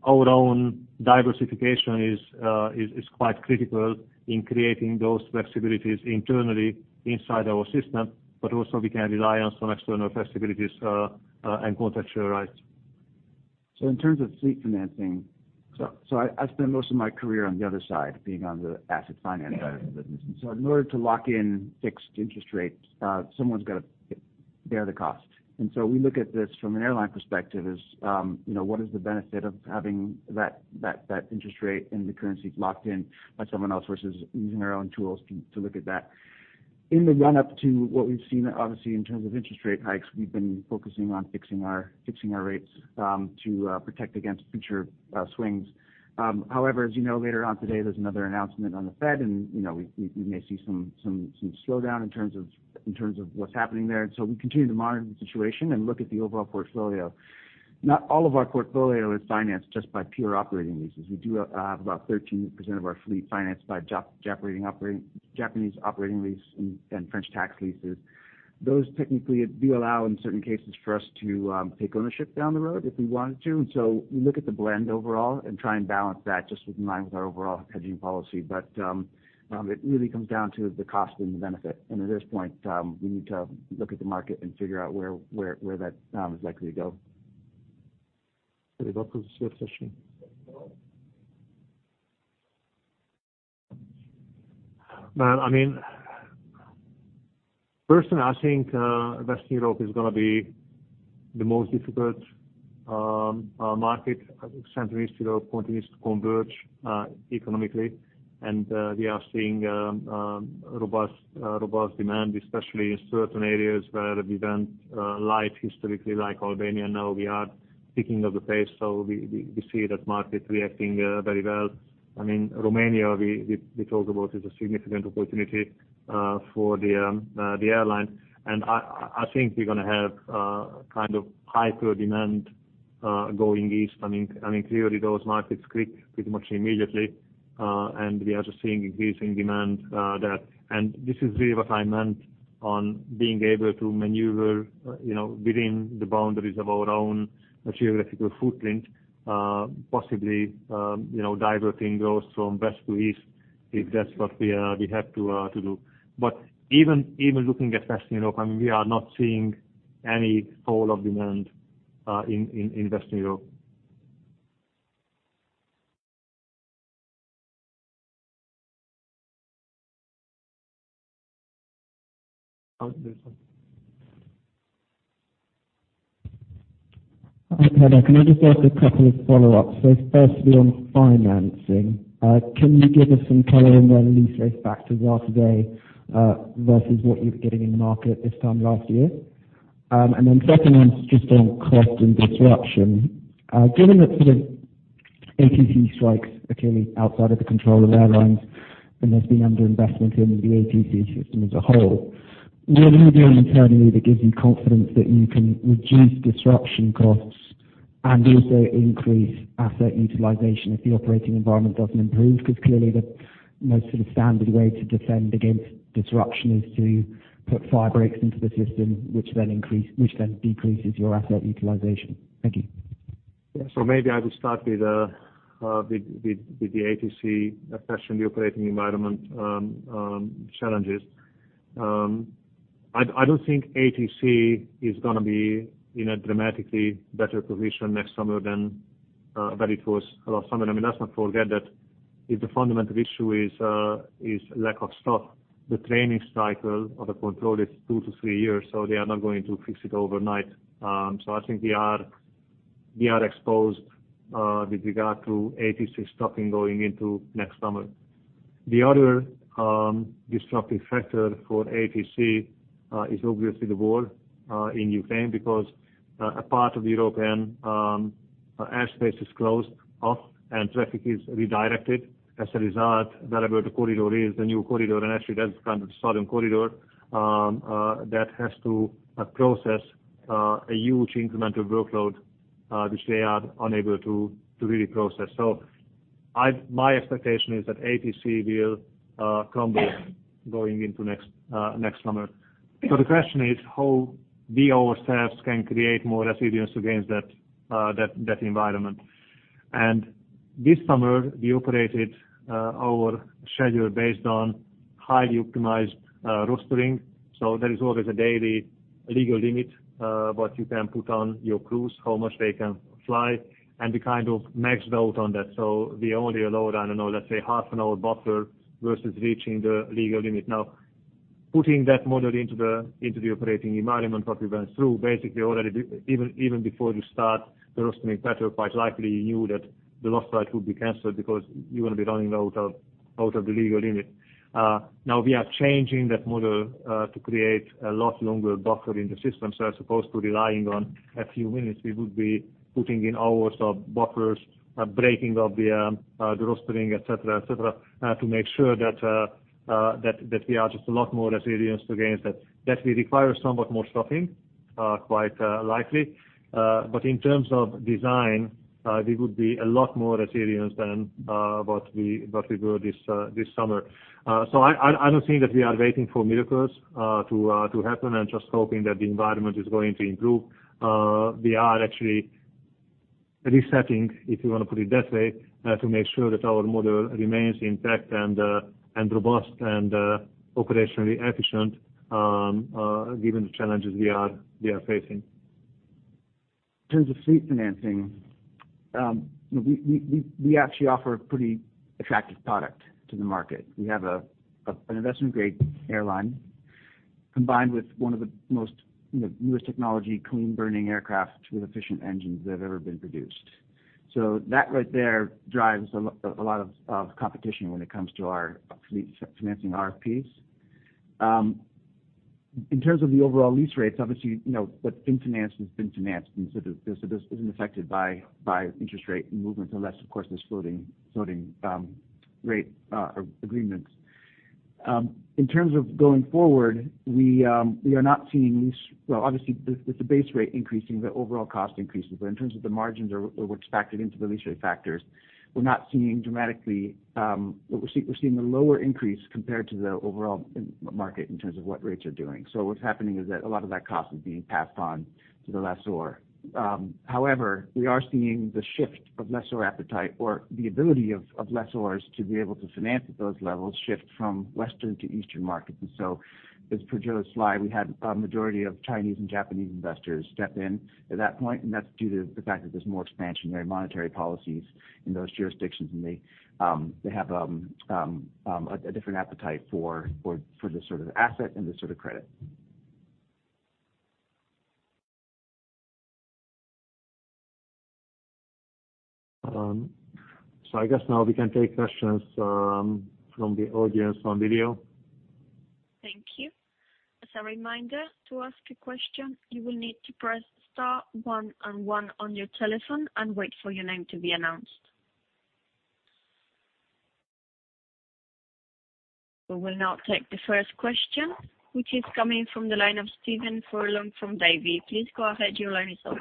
our own diversification is quite critical in creating those flexibilities internally inside our system, but also we can rely on some external flexibilities and contractual rights. In terms of fleet financing, I spend most of my career on the other side, being on the asset finance side of the business. In order to lock in fixed interest rates, someone's gotta bear the cost. We look at this from an airline perspective as, you know, what is the benefit of having that interest rate and the currency locked in by someone else versus using our own tools to look at that. In the run up to what we've seen, obviously, in terms of interest rate hikes, we've been focusing on fixing our rates to protect against future swings. However, as you know, later on today, there's another announcement on Federal Reserve, and, you know, we may see some slowdown in terms of what's happening there. We continue to monitor the situation and look at the overall portfolio. Not all of our portfolio is financed just by pure operating leases. We do have about 13% of our fleet financed by Japanese Operating Lease and French tax leases. Those technically do allow, in certain cases, for us to take ownership down the road if we wanted to. We look at the blend overall and try and balance that just with in mind with our overall hedging policy. It really comes down to the cost and the benefit. At this point, we need to look at the market and figure out where that is likely to go. Well, I mean, personally, I think Western Europe is gonna be the most difficult market. Central, Eastern Europe continues to converge economically, and we are seeing robust demand, especially in certain areas where we went live historically, like Albania. Now, we are picking up the pace, so we see that market reacting very well. I mean, Romania, we talked about is a significant opportunity for the airline. I think we're gonna have kind of hyper demand going east. I mean, clearly those markets grew pretty much immediately, and we are just seeing increasing demand there. This is really what I meant on being able to manoeuvre, you know, within the boundaries of our own geographical footprint, possibly, you know, diverting growth from west to east if that's what we have to do. Even looking at Western Europe, I mean, we are not seeing any fall of demand in Western Europe. Hi, can I just ask a couple of follow-ups? Firstly, on financing, can you give us some color on where lease rate factors are today versus what you were getting in the market this time last year? Second one's just on cost and disruption. Given that sort of ATC strikes are clearly outside of the control of airlines, and there's been underinvestment in the ATC system as a whole, what are you doing internally that gives you confidence that you can reduce disruption costs and also increase asset utilization if the operating environment doesn't improve? Because clearly the most sort of standard way to defend against disruption is to put firebreaks into the system, which then decreases your asset utilization. Thank you. Maybe I will start with the ATC, especially operating environment, challenges. I don't think ATC is gonna be in a dramatically better position next summer than it was last summer. I mean, let's not forget that if the fundamental issue is lack of staff, the training cycle of a controller is two to three years, so they are not going to fix it overnight. I think we are exposed with regard to ATC staffing going into next summer. The other disruptive factor for ATC is obviously the war in Ukraine because a part of the European airspace is closed off and traffic is redirected. As a result, wherever the corridor is, the new corridor, and actually that's kind of a southern corridor, that has to process a huge incremental workload, which they are unable to to really process. My expectation is that ATC will crumble going into next summer. The question is how we ourselves can create more resilience against that environment. This summer, we operated our schedule based on highly optimized rostering. There is always a daily legal limit what you can put on your crews, how much they can fly, and we kind of maxed out on that. We only allowed, I don't know, let's say half an hour buffer versus reaching the legal limit. Now, putting that model into the operating environment, what we went through, basically already, even before you start the rostering pattern, quite likely you knew that the last flight would be canceled because you're gonna be running out of the legal limit. Now we are changing that model to create a lot longer buffer in the system. As opposed to relying on a few minutes, we would be putting in hours of buffers, breaking of the rostering, et cetera, to make sure that we are just a lot more resilient against that. That will require somewhat more staffing, quite likely. In terms of design, we would be a lot more resilient than what we were this summer. I don't think that we are waiting for miracles to happen and just hoping that the environment is going to improve. We are actually resetting, if you wanna put it that way, to make sure that our model remains intact and robust and operationally efficient, given the challenges we are facing. In terms of fleet financing, we actually offer a pretty attractive product to the market. We have an investment-grade airline. Combined with one of the most newest technology clean burning aircraft with efficient engines that have ever been produced. So that right there drives a lot of competition when it comes to our fleet financing RFPs. In terms of the overall lease rates, obviously, what's been financed has been financed. This isn't affected by interest rate movement, unless of course there's floating rate agreements. In terms of going forward, we are not seeing lease. Well, obviously with the base rate increasing, the overall cost increases, but in terms of the margins or what's factored into the lease rate factors, we're not seeing dramatically, we're seeing the lower increase compared to the overall market in terms of what rates are doing. What's happening is that a lot of that cost is being passed on to the lessor. However, we are seeing the shift of lessor appetite or the ability of lessors to be able to finance at those levels shift from Western to Eastern markets. As per Joe's slide, we had a majority of Chinese and Japanese investors step in at that point, and that's due to the fact that there's more expansionary monetary policies in those jurisdictions, and they have a different appetite for this sort of asset and this sort of credit. I guess now we can take questions from the audience on video. Thank you. As a reminder, to ask a question, you will need to press star one and one on your telephone and wait for your name to be announced. We will now take the first question, which is coming from the line of Stephen Furlong from Davy. Please go ahead, your line is open.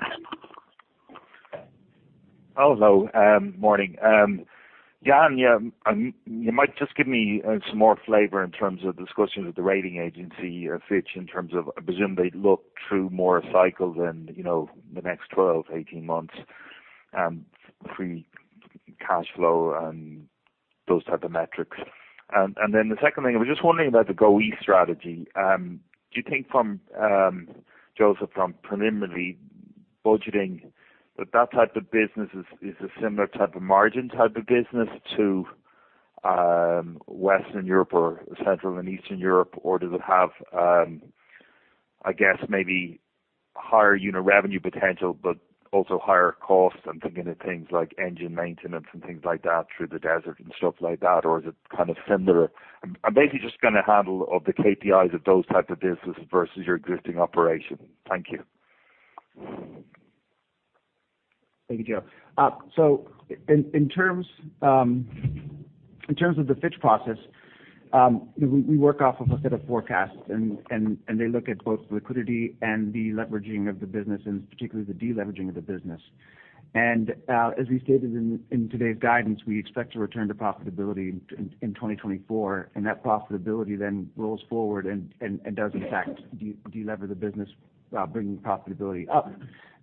Hello. Morning. Ian, you might just give me some more flavor in terms of discussions with the rating agency, Fitch, in terms of, I presume they look through more cycles and, you know, the next 12, 18 months, free cash flow and those type of metrics. The second thing, I was just wondering about the Go East strategy. Do you think, József, from preliminary budgeting that that type of business is a similar type of margin type of business to Western Europe or Central and Eastern Europe, or does it have, I guess maybe higher unit revenue potential, but also higher costs? I'm thinking of things like engine maintenance and things like that through the desert and stuff like that, or is it kind of similar? I'm basically just getting a handle on the KPIs of those types of businesses versus your existing operation. Thank you. Thank you, Joe. So in terms of the Fitch process, we work off of a set of forecasts and they look at both liquidity and the leveraging of the business, and particularly the de-leveraging of the business. As we stated in today's guidance, we expect to return to profitability in 2024, and that profitability then rolls forward and does in fact delever the business, bringing profitability up,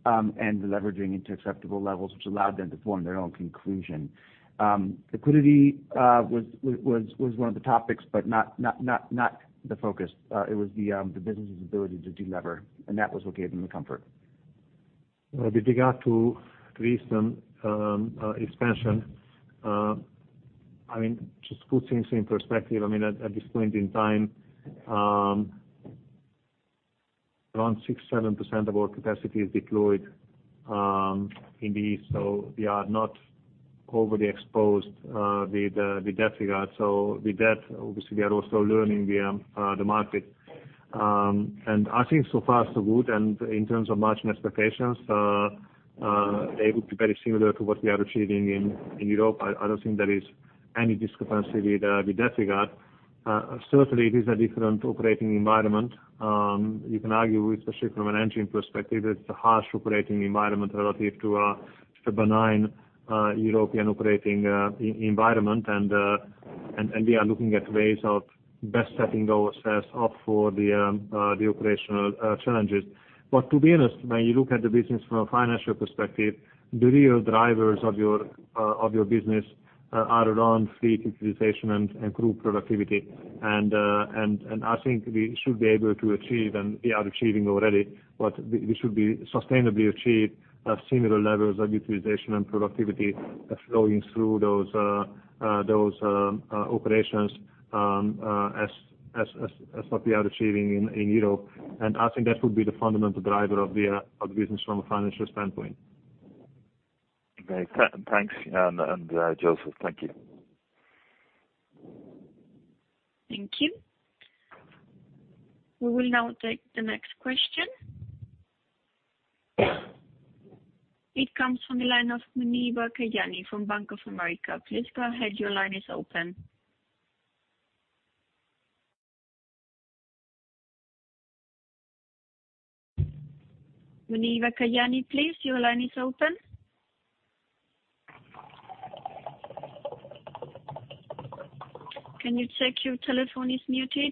and the leveraging into acceptable levels, which allowed them to form their own conclusion. Liquidity was one of the topics, but not the focus. It was the business' ability to delever, and that was what gave them the comfort. With regard to recent expansion, I mean, just put things in perspective. I mean, at this point in time, around 6%-7% of our capacity is deployed in the East, so we are not overly exposed with that regard. With that, obviously we are also learning the market. I think so far so good. In terms of margin expectations, they would be very similar to what we are achieving in Europe. I don't think there is any discrepancy with that regard. Certainly it is a different operating environment. You can argue with, especially from an engine perspective, it's a harsh operating environment relative to a benign European operating environment. We are looking at ways of best setting those assets up for the operational challenges. To be honest, when you look at the business from a financial perspective, the real drivers of your business are around fleet utilization and crew productivity. I think we should be able to achieve, and we are achieving already, but we should be sustainably achieve similar levels of utilization and productivity flowing through those operations as what we are achieving in Europe. I think that would be the fundamental driver of the business from a financial standpoint. Okay. Thanks, Ian. József, thank you. Thank you. We will now take the next question. It comes from the line of Muneeba Kayani from Bank of America. Please go ahead, your line is open. Muneeba Kayani, please, your line is open. Can you check your telephone is muted?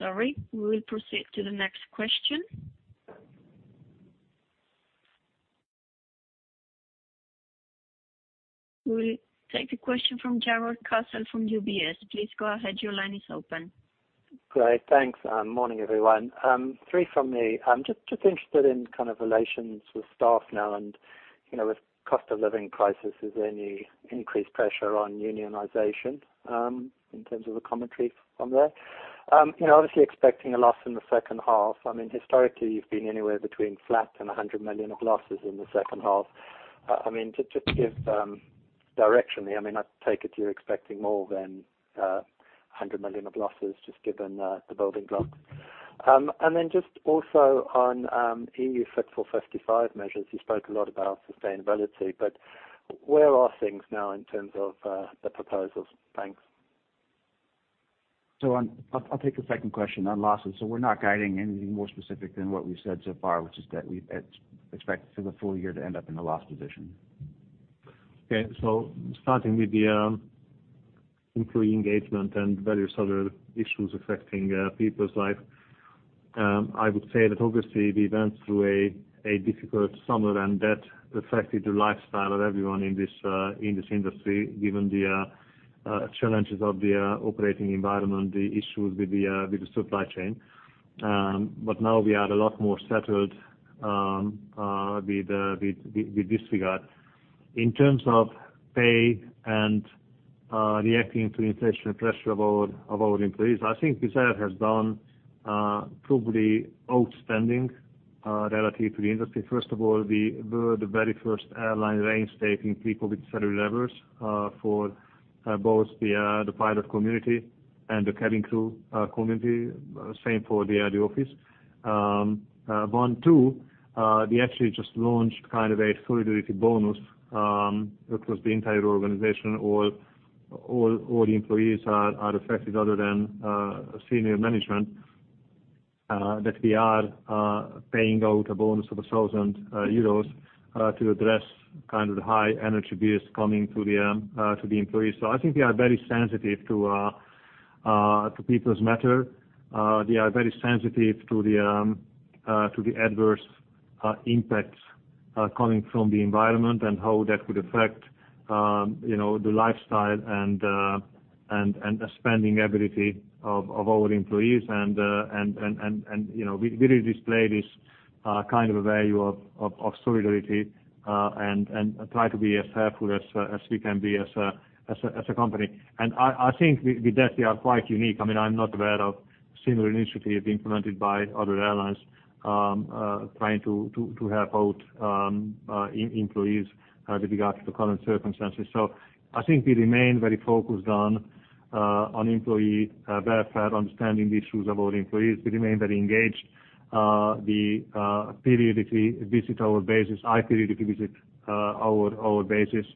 Sorry. We will proceed to the next question. We'll take the question from Jarrod Castle from UBS. Please go ahead, your line is open. Great. Thanks. Morning, everyone. Three from me. I'm just interested in kind of relations with staff now and, you know, with cost of living crisis, is there any increased pressure on unionization in terms of the commentary from there? You know, obviously expecting a loss in the second half. I mean, historically, you've been anywhere between flat and 100 million of losses in the second half. I mean, to give directionally, I mean, I take it you're expecting more than 100 million of losses just given the building blocks. And then just also on EU Fit for 55 measures. You spoke a lot about sustainability, but where are things now in terms of the proposals? Thanks. I'll take the second question on losses. We're not guiding anything more specific than what we've said so far, which is that we expect for the full year to end up in a loss position. Okay. Starting with the employee engagement and various other issues affecting people's life, I would say that obviously we went through a difficult summer, and that affected the lifestyle of everyone in this industry, given the challenges of the operating environment, the issues with the supply chain. Now we are a lot more settled with this regard. In terms of pay and reacting to inflation pressure of our employees, I think Wizz Air has done probably outstanding relative to the industry. First of all, we were the very first airline reinstating pre-COVID salary levels for both the pilot community and the cabin crew community. Same for the office. We actually just launched kind of a solidarity bonus across the entire organization. All the employees are affected other than senior management that we are paying out a bonus of 1,000 euros to address kind of the high energy bills coming to the employees. I think we are very sensitive to people's matters. We are very sensitive to the adverse impacts coming from the environment and how that could affect, you know, the lifestyle and the spending ability of our employees. You know, we really display this kind of a value of solidarity and try to be as helpful as we can be as a company. I think we definitely are quite unique. I mean, I'm not aware of similar initiatives implemented by other airlines trying to help out employees with regard to the current circumstances. I think we remain very focused on employee welfare, understanding the issues of our employees. We remain very engaged. We periodically visit our bases. I periodically visit our bases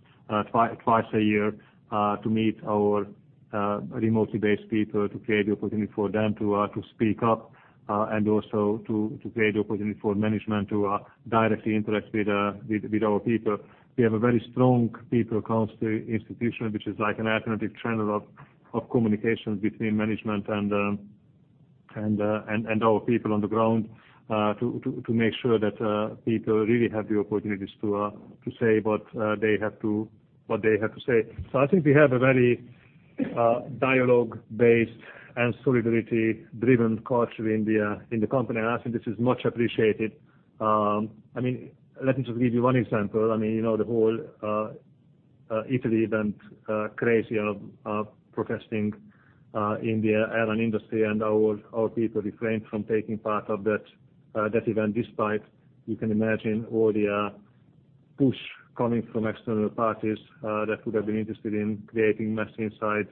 twice a year to meet our remotely based people to create the opportunity for them to speak up and also to create the opportunity for management to directly interact with our people. We have a very strong people council institution, which is like an alternative channel of communication between management and our people on the ground to make sure that people really have the opportunities to say what they have to say. I think we have a very dialogue-based and solidarity-driven culture in the company, and I think this is much appreciated. I mean, let me just give you one example. I mean, you know, the whole Italy event, crazy, protesting in the airline industry and our people refrained from taking part of that event, despite you can imagine all the push coming from external parties that would have been interested in creating mess inside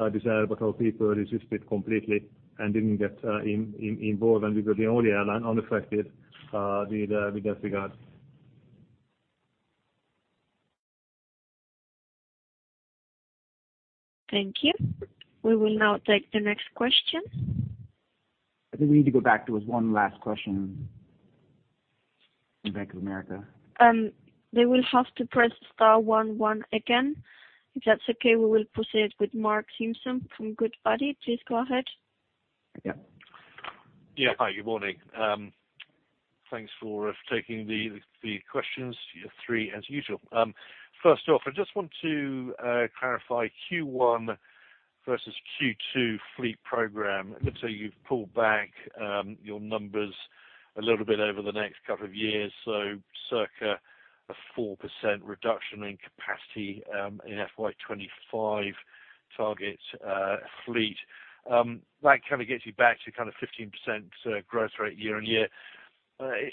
Wizz Air. Our people resisted completely and didn't get involved, and we were the only airline unaffected with that regard. Thank you. We will now take the next question. I think we need to go back to his one last question from Bank of America. They will have to press star one one again. If that's okay, we will proceed with Mark Simpson from Goodbody. Please go ahead. Yeah. Yeah. Hi, good morning. Thanks for taking the questions. Q3 as usual. First off, I just want to clarify Q1 versus Q2 fleet program. It looks like you've pulled back your numbers a little bit over the next couple of years. Circa a 4% reduction in capacity in FY2025 target fleet. That kind of gets you back to kind of 15% growth rate year-on-year.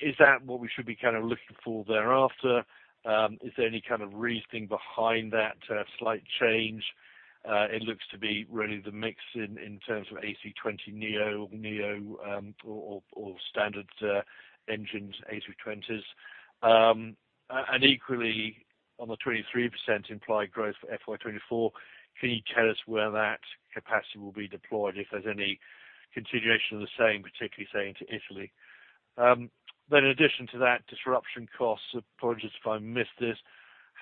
Is that what we should be kind of looking for thereafter? Is there any kind of reasoning behind that slight change? It looks to be really the mix in terms of A320neo or standard engines A320s. Equally, on the 23% implied growth for FY 2024, can you tell us where that capacity will be deployed, if there's any continuation of the same, particularly basing to Italy? In addition to that, disruption costs, apologies if I missed this,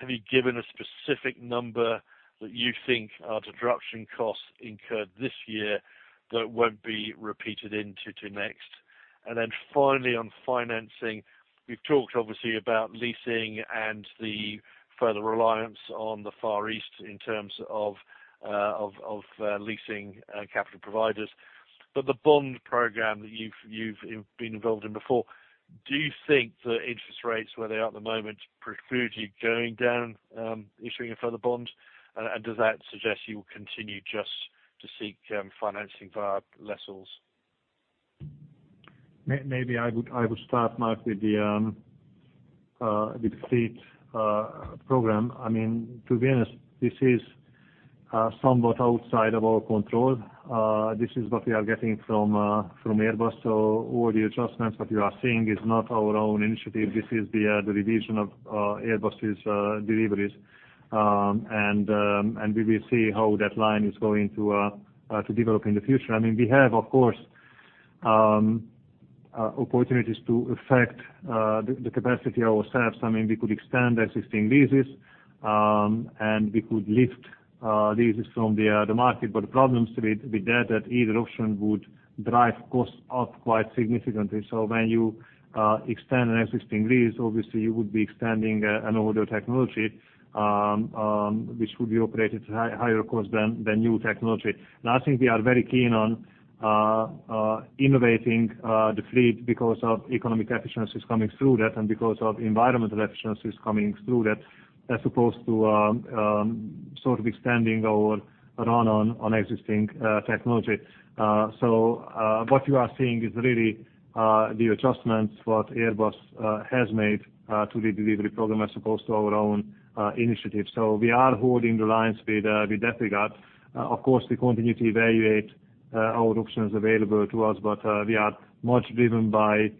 have you given a specific number that you think are disruption costs incurred this year that won't be repeated into next? Finally, on financing, you've talked obviously about leasing and the further reliance on the Far East in terms of leasing capital providers. The bond program that you've been involved in before, do you think the interest rates where they are at the moment precludes you issuing a further bond? Does that suggest you will continue just to seek financing via lessors? Maybe I would start, Mark, with the fleet program. I mean, to be honest, this is somewhat outside of our control. This is what we are getting from Airbus. All the adjustments that you are seeing is not our own initiative. This is the revision of Airbus's deliveries. We will see how that line is going to develop in the future. I mean, we have, of course, opportunities to affect the capacity ourselves. I mean, we could extend existing leases, and we could lift leases from the market. The problems with that either option would drive costs up quite significantly. When you extend an existing lease, obviously you would be extending an older technology, which would be operated at higher cost than new technology. I think we are very keen on innovating the fleet because of economic efficiencies coming through that and because of environmental efficiencies coming through that, as opposed to sort of extending our run on existing technology. What you are seeing is really the adjustments that Airbus has made to the delivery program as opposed to our own initiatives. We are holding the lines with that regard. Of course, we continue to evaluate all options available to us, but we are much driven by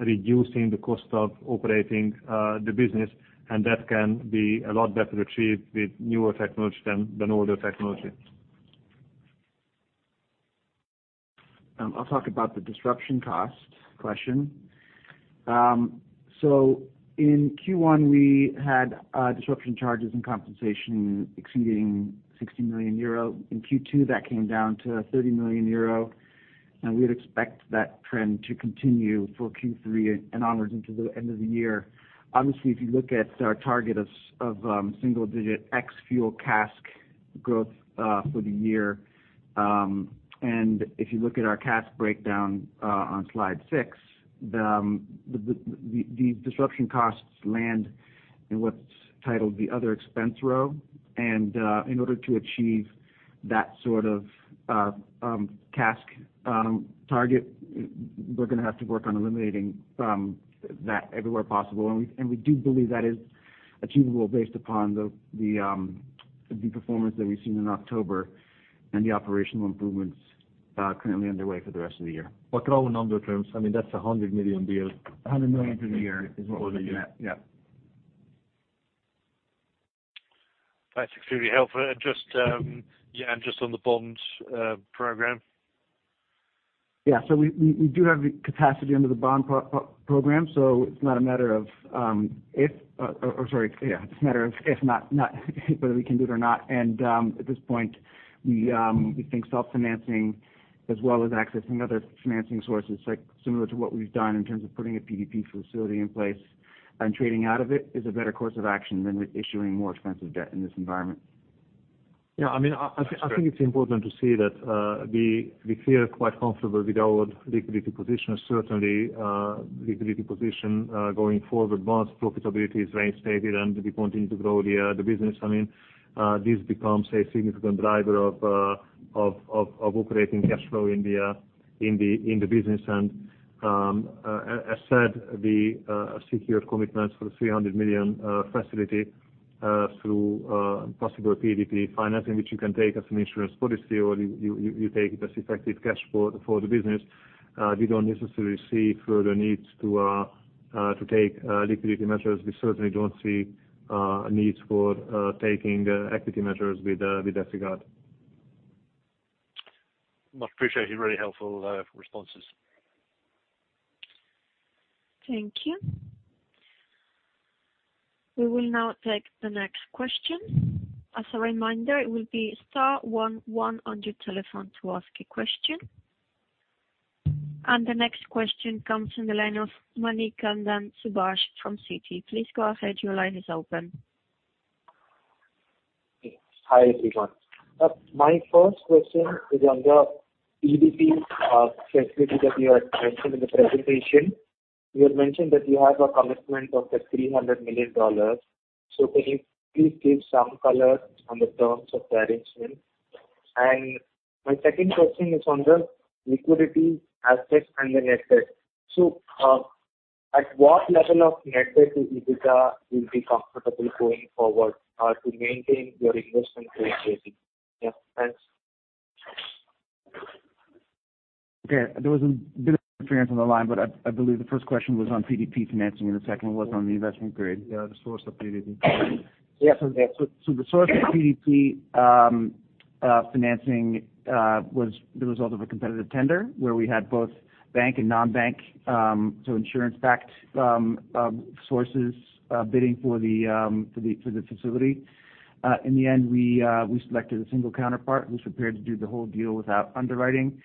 reducing the cost of operating the business, and that can be a lot better achieved with newer technology than older technology. I'll talk about the disruption cost question. In Q1, we had disruption charges and compensation exceeding 60 million euro. In Q2, that came down to 30 million euro, and we'd expect that trend to continue for Q3 and onward into the end of the year. Obviously, if you look at our target of single digit ex-fuel CASK growth for the year, and if you look at our CASK breakdown on slide six, the disruption costs land in what's titled the Other Expense row. In order to achieve that sort of CASK target, we're gonna have to work on eliminating that everywhere possible. We do believe that is achievable based upon the performance that we've seen in October and the operational improvements currently underway for the rest of the year. In raw number terms, I mean, that's 100 million deal. 100 million for the year is what we're looking at. For the year. Yeah. That's extremely helpful. Just on the bonds program. We do have the capacity under the bond program, so it's not a matter of if, it's a matter of if, not whether we can do it or not. At this point, we think self-financing as well as accessing other financing sources, like similar to what we've done in terms of putting a PDP facility in place and trading out of it, is a better course of action than with issuing more expensive debt in this environment. Yeah. I mean, I think. That's great. I think it's important to say that we feel quite comfortable with our liquidity position, certainly liquidity position going forward. Once profitability is reinstated and we continue to grow the business, I mean this becomes a significant driver of operating cash flow in the business. As said, we secured commitments for 300 million facility through possible PDP financing, which you can take as an insurance policy or you take it as effective cash for the business. We don't necessarily see further needs to take liquidity measures. We certainly don't see a need for taking equity measures with that regard. Much appreciated. Really helpful, responses. Thank you. We will now take the next question. As a reminder, it will be star one one on your telephone to ask a question. The next question comes from the line of Manikandan Subbaraman from Citi. Please go ahead. Your line is open. Hi, everyone. My first question is on the PDP facility that you had mentioned in the presentation. You had mentioned that you have a commitment of $300 million. Can you please give some color on the terms of the arrangement? My second question is on the liquid assets under net debt. At what level of net debt to EBITDA you'll be comfortable going forward to maintain your investment grade rating? Yeah, thanks. Okay. There was a bit of interference on the line, but I believe the first question was on PDP financing, and the second one was on the investment grade. Yeah, the source of PDP. Yes. The source of PDP. Financing was the result of a competitive tender where we had both bank and non-bank, so insurance-backed sources, bidding for the facility. In the end, we selected a single counterpart who's prepared to do the whole deal without underwriting.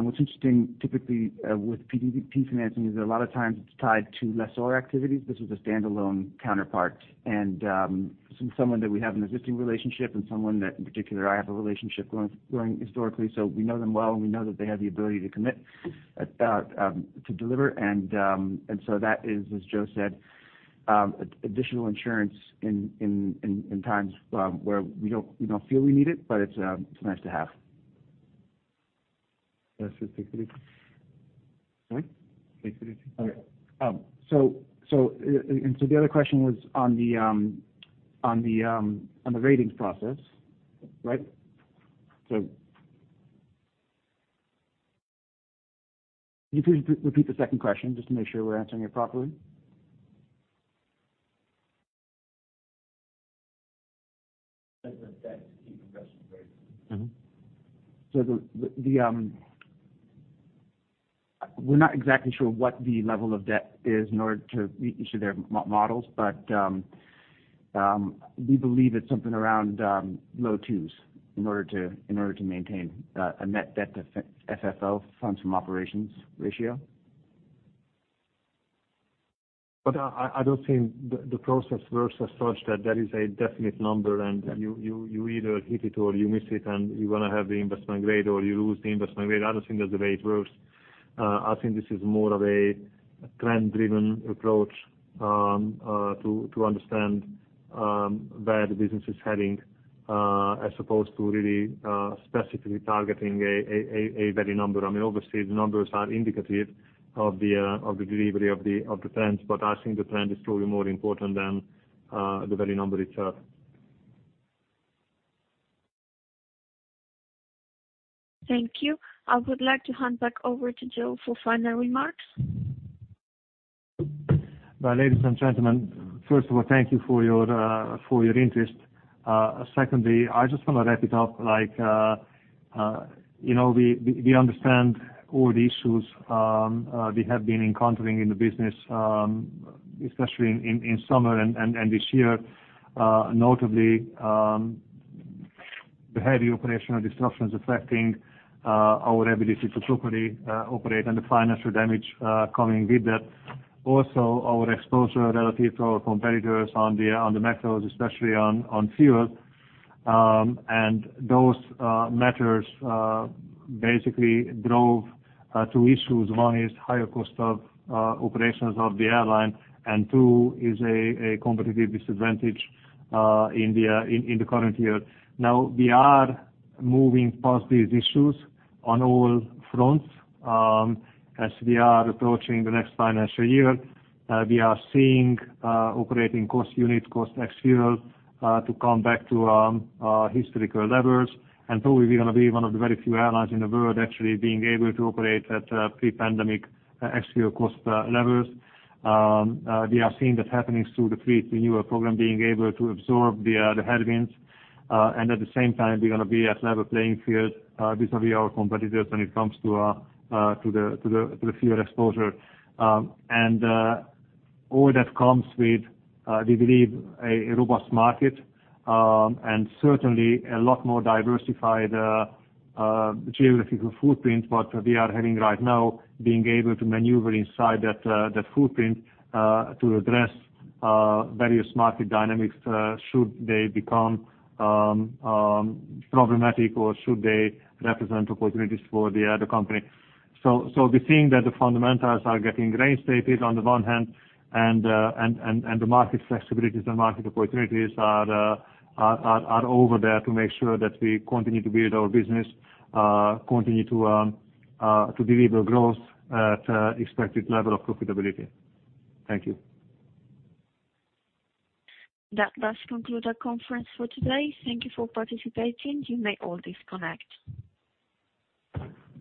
What's interesting typically with PDP financing is a lot of times it's tied to lessor activities. This is a standalone counterpart and someone that we have an existing relationship and someone that in particular I have a relationship going historically. We know them well, and we know that they have the ability to commit to deliver and so that is, as Joe said, additional insurance in times where we don't feel we need it, but it's nice to have. Sorry? The other question was on the ratings process, right? Could you please repeat the second question just to make sure we're answering it properly? Mm-hmm. We're not exactly sure what the level of debt is in order to meet each of their models. But we believe it's something around low twos in order to maintain a net debt to FFO, funds from operations ratio. But I don't think the process works as such that there is a definite number, and you either hit it or you miss it, and you're gonna have the investment grade, or you lose the investment grade. I don't think that's the way it works. I think this is more of a trend-driven approach to understand where the business is heading as opposed to really specifically targeting a value number. I mean, obviously, the numbers are indicative of the delivery of the trends, but I think the trend is probably more important than the very number itself. Thank you. I would like to hand back over to Joe for final remarks. Well, ladies and gentlemen, first of all, thank you for your interest. Secondly, I just wanna wrap it up like, you know, we understand all the issues we have been encountering in the business, especially in summer and this year, notably the heavy operational disruptions affecting our ability to properly operate and the financial damage coming with that. Also, our exposure relative to our competitors on the hedges, especially on fuel. Those matters basically drove two issues. One is higher cost of operations of the airline, and two is a competitive disadvantage in the current year. Now, we are moving past these issues on all fronts, as we are approaching the next financial year. We are seeing operating cost unit cost ex-fuel to come back to historical levels. Probably we're gonna be one of the very few airlines in the world actually being able to operate at pre-pandemic ex-fuel cost levels. We are seeing that happening through the fleet renewal program, being able to absorb the headwinds. At the same time we're gonna be at level playing field vis-à-vis our competitors when it comes to the fuel exposure. All that comes with we believe a robust market, and certainly a lot more diversified geographical footprint what we are having right now, being able to maneuver inside that footprint to address various market dynamics should they become problematic or should they represent opportunities for the company. We're seeing that the fundamentals are getting restated on the one hand and the market flexibilities and market opportunities are over there to make sure that we continue to build our business, continue to deliver growth at a expected level of profitability. Thank you. That does conclude our conference for today. Thank you for participating. You may all disconnect.